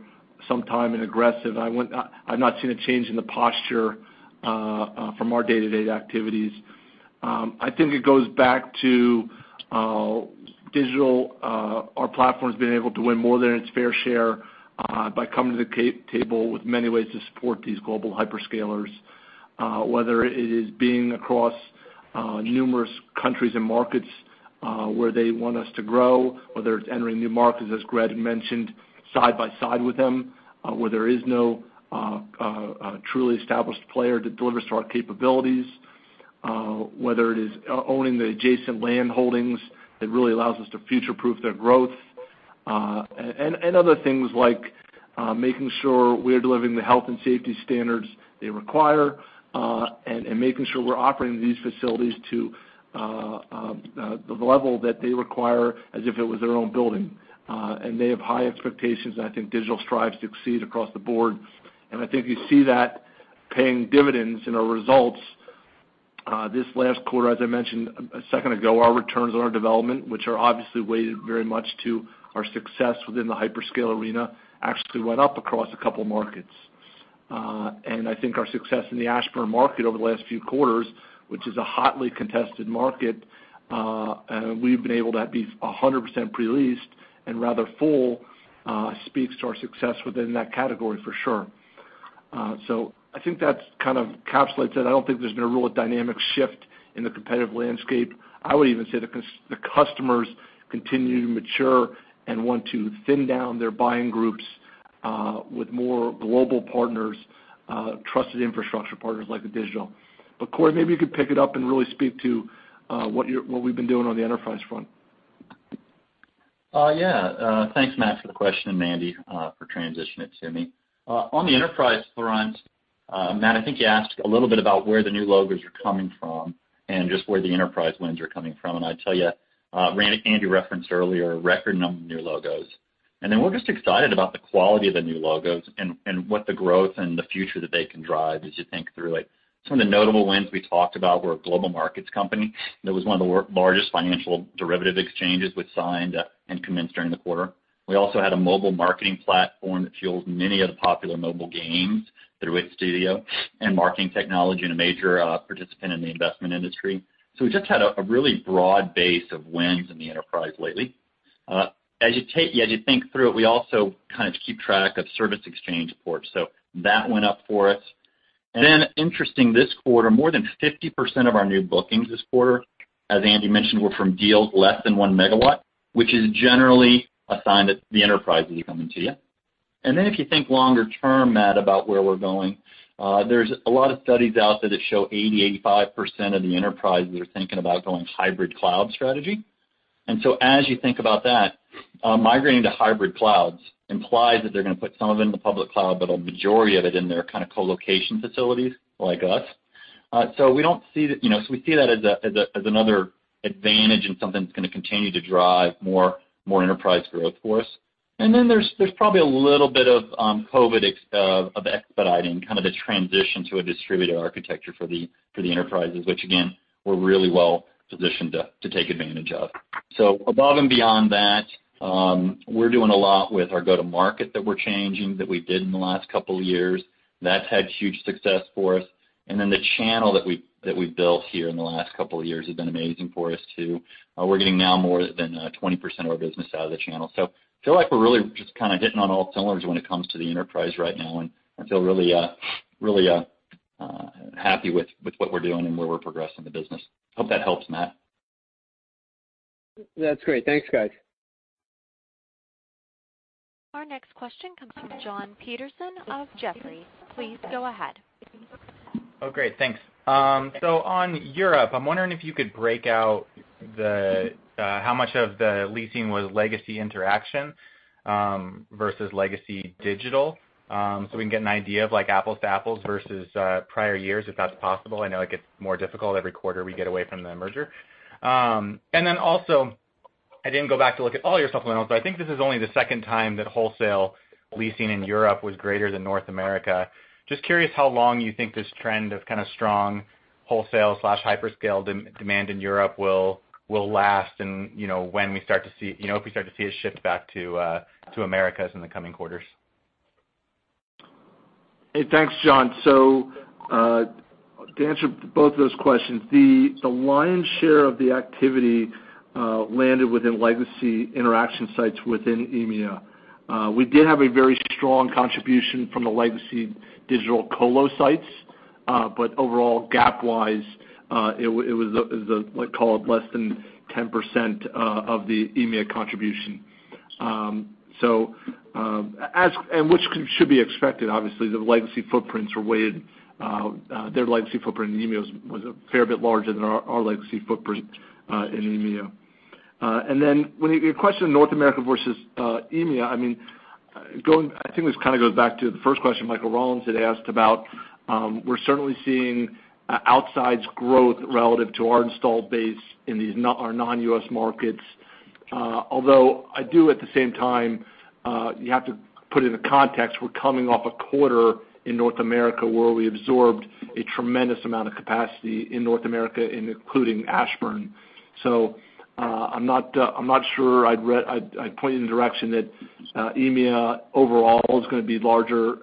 some time and aggressive. I've not seen a change in the posture from our day-to-day activities. I think it goes back to Digital. Our platform's been able to win more than its fair share by coming to the table with many ways to support these global hyperscalers, whether it is being across numerous countries and markets where they want us to grow, whether it's entering new markets, as Greg mentioned, side by side with them, where there is no truly established player that delivers to our capabilities, whether it is owning the adjacent land holdings that really allows us to future-proof their growth. Other things like making sure we're delivering the health and safety standards they require, and making sure we're operating these facilities to the level that they require as if it was their own building. They have high expectations, and I think Digital strives to exceed across the board. I think you see that paying dividends in our results. This last quarter, as I mentioned a second ago, our returns on our development, which are obviously weighted very much to our success within the hyperscale arena, actually went up across a couple markets. I think our success in the Ashburn market over the last few quarters, which is a hotly contested market, we've been able to be 100% pre-leased and rather full, speaks to our success within that category for sure. I think that kind of capsulates it. I don't think there's been a real dynamic shift in the competitive landscape. I would even say the customers continue to mature and want to thin down their buying groups with more global partners, trusted infrastructure partners like Digital. Corey, maybe you could pick it up and really speak to what we've been doing on the enterprise front.
Thanks, Matt, for the question, and Andy, for transitioning it to me. On the enterprise front, Matt, I think you asked a little bit about where the new logos are coming from and just where the enterprise wins are coming from. I tell you, Andy referenced earlier, a record number of new logos. We're just excited about the quality of the new logos and what the growth and the future that they can drive as you think through it. Some of the notable wins we talked about were a global markets company. That was one of the largest financial derivative exchanges we've signed and commenced during the quarter. We also had a mobile marketing platform that fuels many of the popular mobile games through its studio and marketing technology, and a major participant in the investment industry. We just had a really broad base of wins in the enterprise lately. As you think through it, we also keep track of Service Exchange ports. Interesting this quarter, more than 50% of our new bookings this quarter, as Andy mentioned, were from deals less than one megawatt, which is generally a sign that the enterprise is coming to you. If you think longer term, Matt, about where we're going, there's a lot of studies out there that show 80%, 85% of the enterprises are thinking about going hybrid cloud strategy. As you think about that, migrating to hybrid clouds implies that they're going to put some of it in the public cloud, but a majority of it in their co-location facilities like us. We see that as another advantage and something that's going to continue to drive more enterprise growth for us. There's probably a little bit of COVID of expediting the transition to a distributor architecture for the enterprises, which again, we're really well positioned to take advantage of. Above and beyond that, we're doing a lot with our go-to-market that we're changing, that we did in the last couple of years. That's had huge success for us. The channel that we've built here in the last couple of years has been amazing for us, too. We're getting now more than 20% of our business out of the channel. Feel like we're really just hitting on all cylinders when it comes to the enterprise right now, and feel really happy with what we're doing and where we're progressing the business. Hope that helps, Matt.
That's great. Thanks, guys.
Our next question comes from Jon Petersen of Jefferies. Please go ahead.
Great. Thanks. On Europe, I'm wondering if you could break out how much of the leasing was legacy Interxion versus legacy Digital Realty, so we can get an idea of apples to apples versus prior years, if that's possible. I know it gets more difficult every quarter we get away from the merger. Also, I didn't go back to look at all your supplementals, but I think this is only the second time that wholesale leasing in Europe was greater than North America. Just curious how long you think this trend of strong wholesale/hyperscale demand in Europe will last and if we start to see a shift back to Americas in the coming quarters.
Hey, thanks, John. To answer both of those questions, the lion's share of the activity landed within legacy Interxion sites within EMEA. We did have a very strong contribution from the legacy Digital Realty colo sites, but overall, GAAP-wise, it was called less than 10% of the EMEA contribution. Which should be expected, obviously, the legacy footprints were weighed. Their legacy footprint in EMEA was a fair bit larger than our legacy footprint in EMEA. Your question, North America versus EMEA, I think this goes back to the first question Michael Rollins had asked about. We're certainly seeing outsized growth relative to our installed base in our non-U.S. markets. Although I do at the same time, you have to put it into context, we're coming off a quarter in North America where we absorbed a tremendous amount of capacity in North America, including Ashburn. I'm not sure I'd point you in the direction that EMEA overall is going to be larger,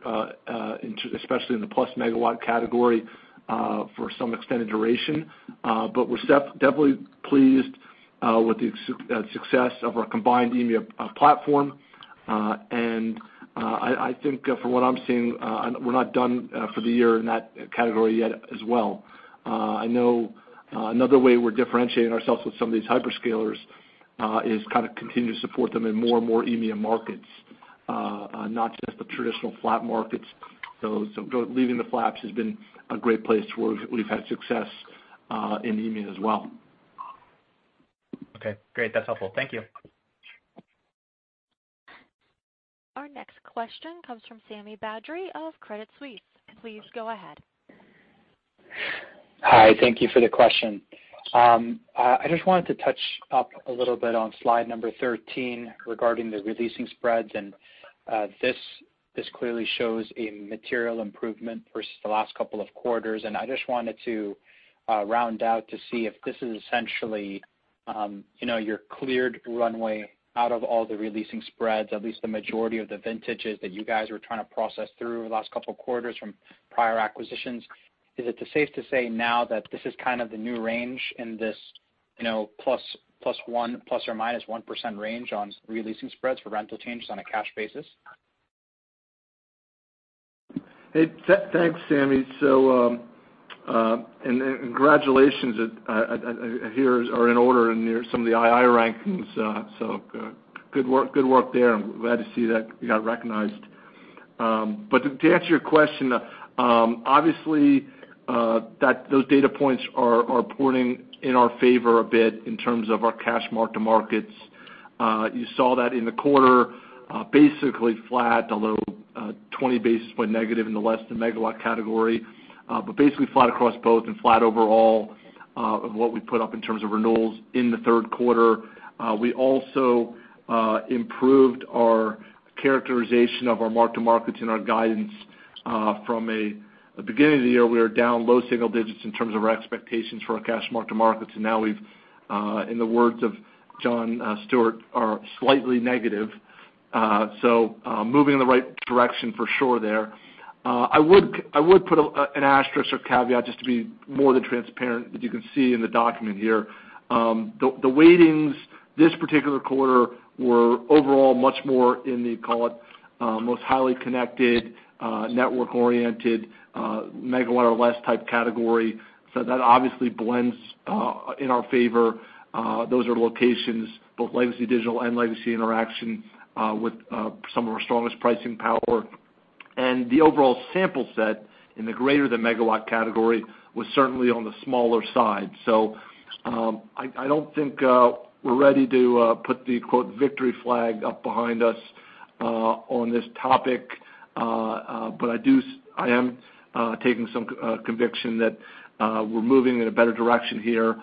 especially in the plus megawatt category, for some extended duration. We're definitely pleased with the success of our combined EMEA platform. I think from what I'm seeing, we're not done for the year in that category yet as well. I know another way we're differentiating ourselves with some of these hyperscalers is continue to support them in more and more EMEA markets, not just the traditional FLAP markets. Leaving the FLAPs has been a great place where we've had success in EMEA as well.
Okay, great. That's helpful. Thank you.
Our next question comes from Sami Badri of Credit Suisse. Please go ahead.
Hi. Thank you for the question. I just wanted to touch up a little bit on slide number 13 regarding the re-leasing spreads. This clearly shows a material improvement versus the last couple of quarters. I just wanted to round out to see if this is essentially your cleared runway out of all the re-leasing spreads, at least the majority of the vintages that you guys were trying to process through the last couple of quarters from prior acquisitions. Is it safe to say now that this is the new range in this ±1% range on re-leasing spreads for rental changes on a cash basis?
Hey, thanks, Sami. Congratulations are in order in some of the II rankings, good work there, we're glad to see that you got recognized. To answer your question, obviously, those data points are pointing in our favor a bit in terms of our cash mark-to-markets. You saw that in the quarter, basically flat, although 20 basis point negative in the less than megawatt category. Basically flat across both and flat overall of what we put up in terms of renewals in the third quarter. We also improved our characterization of our mark-to-markets and our guidance from a beginning of the year, we were down low single digits in terms of our expectations for our cash mark-to-markets, and now we've, in the words of John Stewart, are slightly negative. Moving in the right direction for sure there. I would put an asterisk or caveat just to be more than transparent, as you can see in the document here. The weightings this particular quarter were overall much more in the, call it, most highly connected, network-oriented, megawatt or less type category. That obviously blends in our favor. Those are locations, both legacy Digital and legacy Interxion, with some of our strongest pricing power. And the overall sample set in the greater than megawatt category was certainly on the smaller side. I don't think we're ready to put the, quote, victory flag up behind us on this topic. I am taking some conviction that we're moving in a better direction here,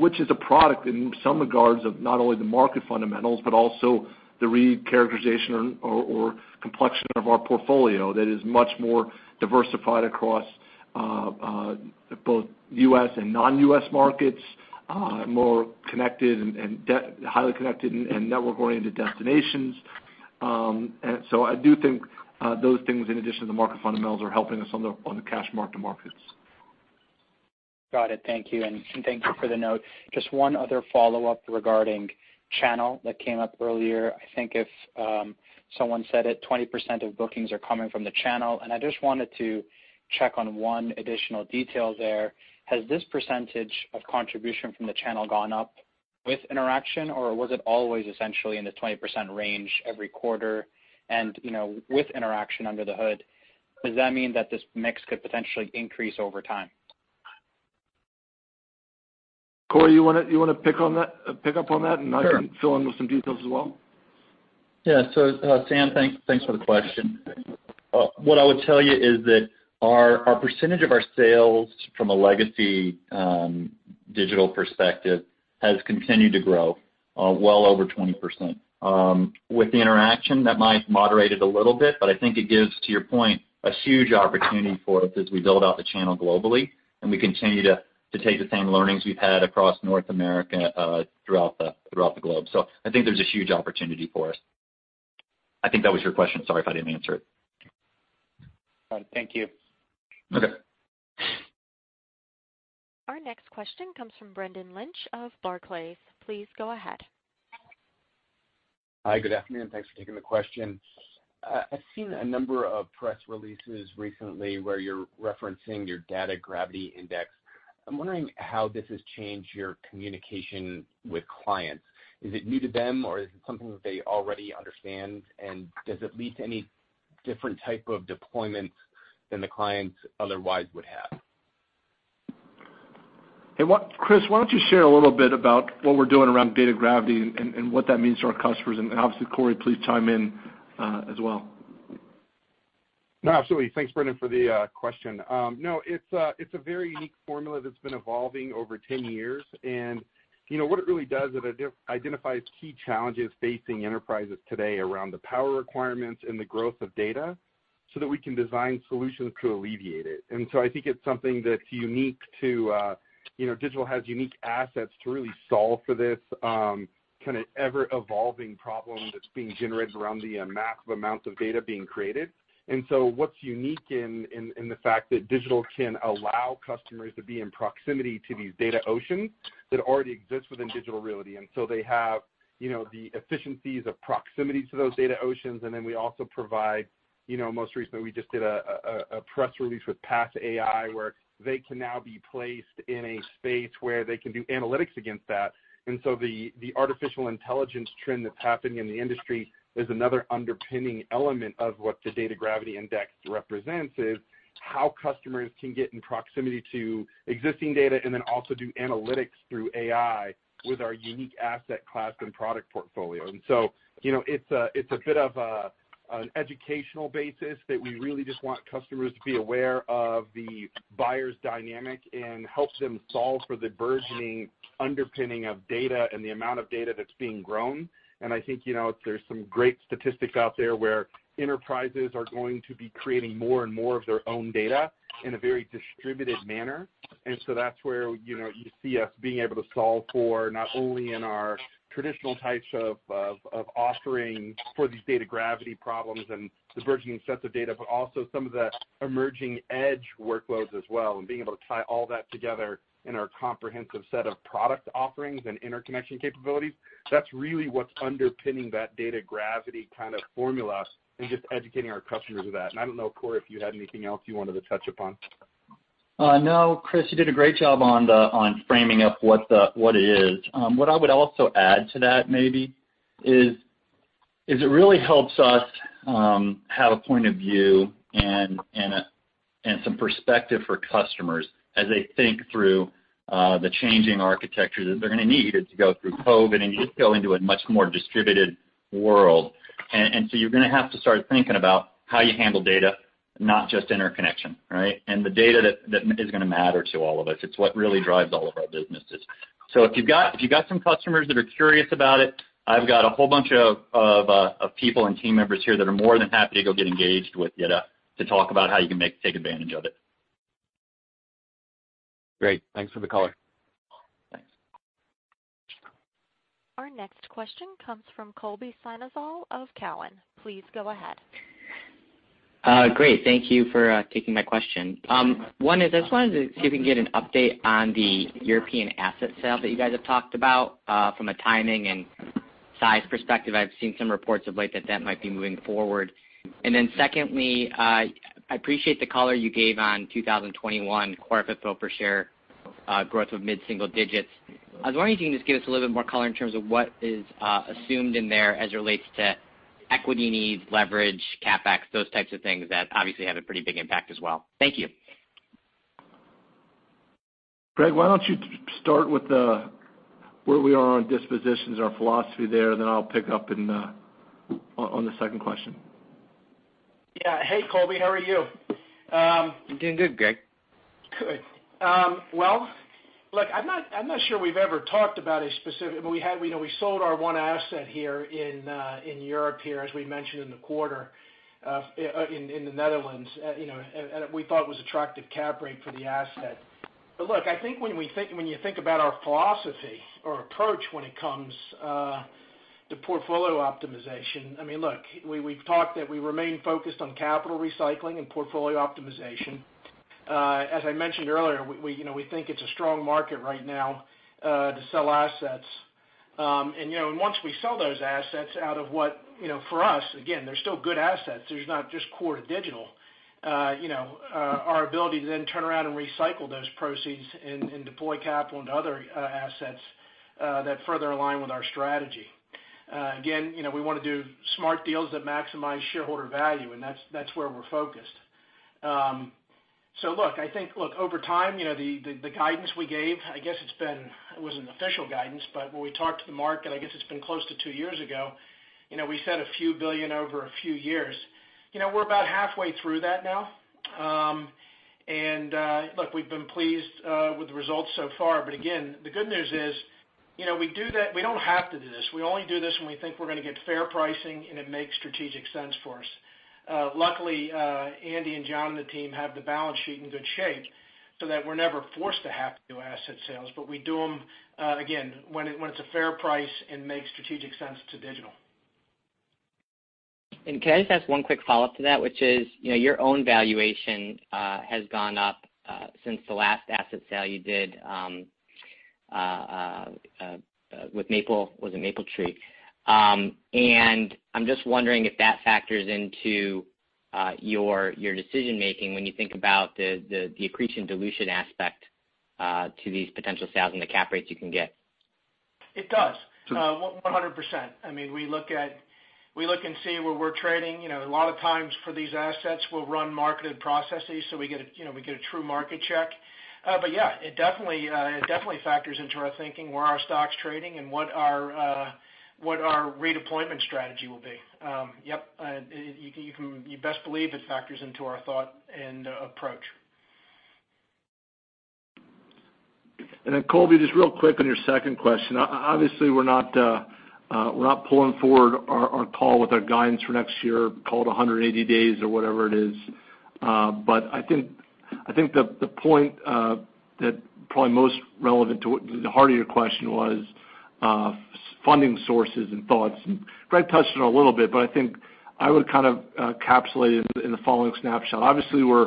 which is a product in some regards of not only the market fundamentals, but also the recharacterization or complexion of our portfolio that is much more diversified across both U.S. and non-U.S. markets, more connected and highly connected and network-oriented destinations. I do think those things, in addition to market fundamentals, are helping us on the cash mark-to-markets.
Got it. Thank you. Thank you for the note. Just one other follow-up regarding channel that came up earlier. I think if someone said it, 20% of bookings are coming from the channel, and I just wanted to check on one additional detail there. Has this percentage of contribution from the channel gone up with Interxion, or was it always essentially in the 20% range every quarter? With Interxion under the hood, does that mean that this mix could potentially increase over time?
Corey, you want to pick up on that?
Sure.
I can fill in with some details as well.
Yeah. Sam, thanks for the question. What I would tell you is that our percentage of our sales from a legacy Digital perspective has continued to grow well over 20%. With Interxion, that might moderate it a little bit, but I think it gives, to your point, a huge opportunity for us as we build out the channel globally, and we continue to take the same learnings we've had across North America throughout the globe. I think there's a huge opportunity for us. I think that was your question. Sorry if I didn't answer it.
Thank you.
Okay.
Our next question comes from Brendan Lynch of Barclays. Please go ahead.
Hi, good afternoon. Thanks for taking the question. I've seen a number of press releases recently where you're referencing your Data Gravity Index. I'm wondering how this has changed your communication with clients. Is it new to them, or is it something that they already understand, and does it lead to any different type of deployments than the clients otherwise would have?
Hey, Chris, why don't you share a little bit about what we're doing around data gravity and what that means to our customers? Obviously, Corey, please chime in as well.
Absolutely. Thanks, Brendan, for the question. It's a very unique formula that's been evolving over 10 years. What it really does is it identifies key challenges facing enterprises today around the power requirements and the growth of data so that we can design solutions to alleviate it. I think it's something that's unique. Digital has unique assets to really solve for this kind of ever-evolving problem that's being generated around the massive amounts of data being created. What's unique in the fact that Digital can allow customers to be in proximity to these data oceans that already exist within Digital Realty, and so they have the efficiencies of proximity to those data oceans. We also provide, most recently, we just did a press release with Pass AI, where they can now be placed in a space where they can do analytics against that. The artificial intelligence trend that's happening in the industry is another underpinning element of what the Data Gravity Index represents, is how customers can get in proximity to existing data and then also do analytics through AI with our unique asset class and product portfolio. It's a bit of an educational basis that we really just want customers to be aware of the buyer's dynamic and help them solve for the burgeoning underpinning of data and the amount of data that's being grown. I think there's some great statistics out there where enterprises are going to be creating more and more of their own data in a very distributed manner. That's where you see us being able to solve for not only in our traditional types of offerings for these data gravity problems and the burgeoning sets of data, but also some of the emerging edge workloads as well, and being able to tie all that together in our comprehensive set of product offerings and interconnection capabilities. That's really what's underpinning that data gravity kind of formula and just educating our customers of that. I don't know, Corey, if you had anything else you wanted to touch upon.
No, Chris, you did a great job on framing up what it is. What I would also add to that maybe is it really helps us have a point of view and some perspective for customers as they think through the changing architecture that they're going to need as you go through COVID and you just go into a much more distributed world. You're going to have to start thinking about how you handle data, not just interconnection, right? The data that is going to matter to all of us. It's what really drives all of our businesses. If you've got some customers that are curious about it, I've got a whole bunch of people and team members here that are more than happy to go get engaged with you to talk about how you can take advantage of it.
Great. Thanks for the color.
Thanks.
Our next question comes from Colby Synesael of Cowen. Please go ahead.
Great. Thank you for taking my question. One is, I just wanted to see if we can get an update on the European asset sale that you guys have talked about. From a timing and size perspective, I've seen some reports of late that might be moving forward. Then secondly, I appreciate the color you gave on 2021 core FFO per share, growth of mid-single digits. I was wondering if you can just give us a little bit more color in terms of what is assumed in there as it relates to equity needs, leverage, CapEx, those types of things that obviously have a pretty big impact as well. Thank you.
Greg, why don't you start with where we are on dispositions and our philosophy there, and then I'll pick up on the second question.
Yeah. Hey, Colby. How are you?
I'm doing good, Greg.
Good. Well, look, I'm not sure we've ever talked about a specific. We sold our one asset here in Europe, as we mentioned in the quarter, in the Netherlands, we thought was attractive cap rate for the asset. Look, I think when you think about our philosophy or approach when it comes to portfolio optimization, we've talked that we remain focused on capital recycling and portfolio optimization. As I mentioned earlier, we think it's a strong market right now to sell assets. Once we sell those assets out of what, for us, again, they're still good assets, there's not just core to Digital our ability to then turn around and recycle those proceeds and deploy capital into other assets that further align with our strategy. Again, we want to do smart deals that maximize shareholder value, that's where we're focused. I think over time, the guidance we gave, I guess it wasn't official guidance, but when we talked to the market, I guess it's been close to 2 years ago, we said a few billion over a few years. We're about halfway through that now. We've been pleased with the results so far. The good news is we don't have to do this. We only do this when we think we're going to get fair pricing and it makes strategic sense for us. Luckily, Andy and John, and the team have the balance sheet in good shape so that we're never forced to have to do asset sales, but we do them, again, when it's a fair price and makes strategic sense to Digital.
Can I just ask one quick follow-up to that, which is, your own valuation has gone up since the last asset sale you did with Mapletree. I'm just wondering if that factors into your decision-making when you think about the accretion dilution aspect to these potential sales and the cap rates you can get?
It does, 100%. We look and see where we're trading. A lot of times for these assets, we'll run marketed processes so we get a true market check. Yeah, it definitely factors into our thinking, where our stock's trading and what our redeployment strategy will be. Yep, you best believe it factors into our thought and approach.
Colby, just real quick on your second question. Obviously, we're not pulling forward our call with our guidance for next year, call it 180 days or whatever it is. I think the point that probably most relevant to the heart of your question was funding sources and thoughts, and Greg touched on it a little bit, but I think I would kind of capsulate it in the following snapshot. Obviously, we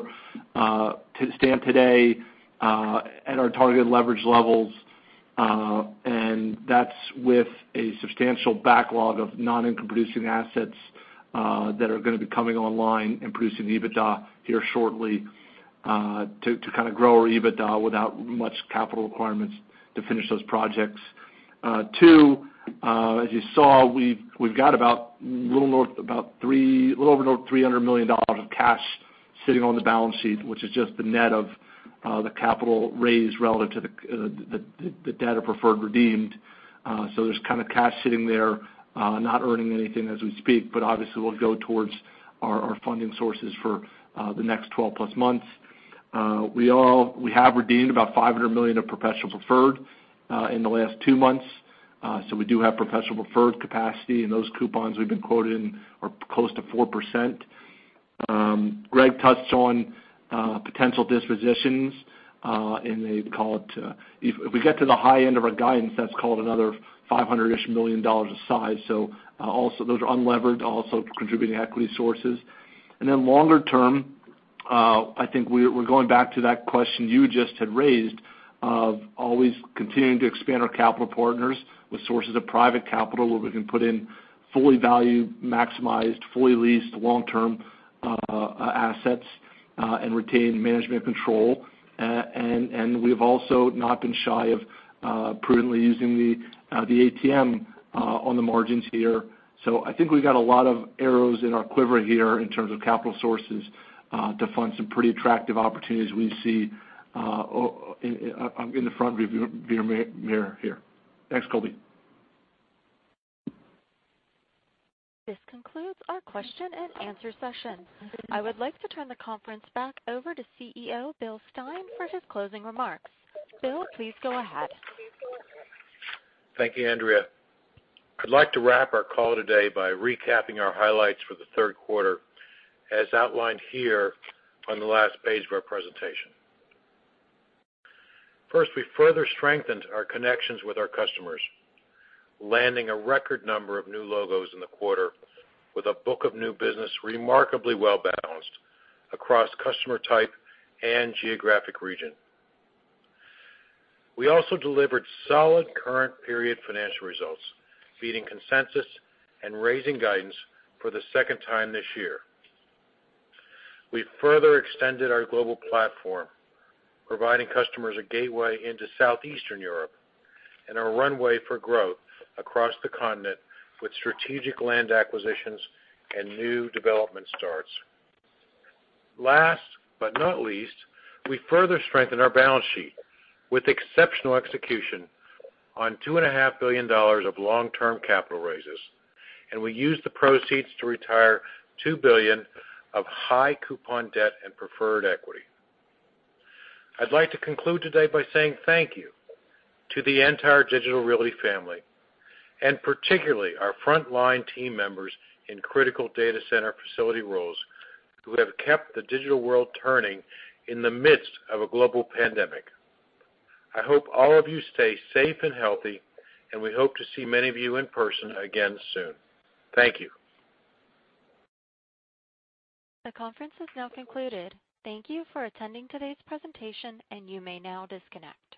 stand today at our targeted leverage levels, and that's with a substantial backlog of non-income producing assets that are going to be coming online and producing EBITDA here shortly to kind of grow our EBITDA without much capital requirements to finish those projects. Two, as you saw, we've got a little over $300 million of cash sitting on the balance sheet, which is just the net of the capital raised relative to the debt of perpetual preferred redeemed. There's kind of cash sitting there, not earning anything as we speak, but obviously will go towards our funding sources for the next 12 plus months. We have redeemed about $500 million of perpetual preferred in the last two months. We do have perpetual preferred capacity, and those coupons we've been quoted are close to 4%. Greg touched on potential dispositions. If we get to the high end of our guidance, that's called another $500-ish million dollars a size. Those are unlevered, also contributing equity sources. Longer term, I think we're going back to that question you just had raised. Of always continuing to expand our capital partners with sources of private capital, where we can put in fully value maximized, fully leased long-term assets and retain management control. We've also not been shy of prudently using the ATM on the margins here. I think we've got a lot of arrows in our quiver here in terms of capital sources to fund some pretty attractive opportunities we see in the front view mirror here. Thanks, Colby.
This concludes our question and answer session. I would like to turn the conference back over to CEO, Bill Stein, for his closing remarks. Bill, please go ahead.
Thank you, Andrea. I'd like to wrap our call today by recapping our highlights for the third quarter, as outlined here on the last page of our presentation. First, we further strengthened our connections with our customers, landing a record number of new logos in the quarter with a book of new business remarkably well-balanced across customer type and geographic region. We also delivered solid current period financial results, beating consensus and raising guidance for the second time this year. We've further extended our global platform, providing customers a gateway into Southeastern Europe, and a runway for growth across the continent with strategic land acquisitions and new development starts. Last but not least, we further strengthened our balance sheet with exceptional execution on $2.5 billion of long-term capital raises, and we used the proceeds to retire $2 billion of high coupon debt and perpetual preferred equity. I'd like to conclude today by saying thank you to the entire Digital Realty family, and particularly our frontline team members in critical data center facility roles who have kept the digital world turning in the midst of a global pandemic. I hope all of you stay safe and healthy, and we hope to see many of you in person again soon. Thank you.
The conference has now concluded. Thank you for attending today's presentation. You may now disconnect.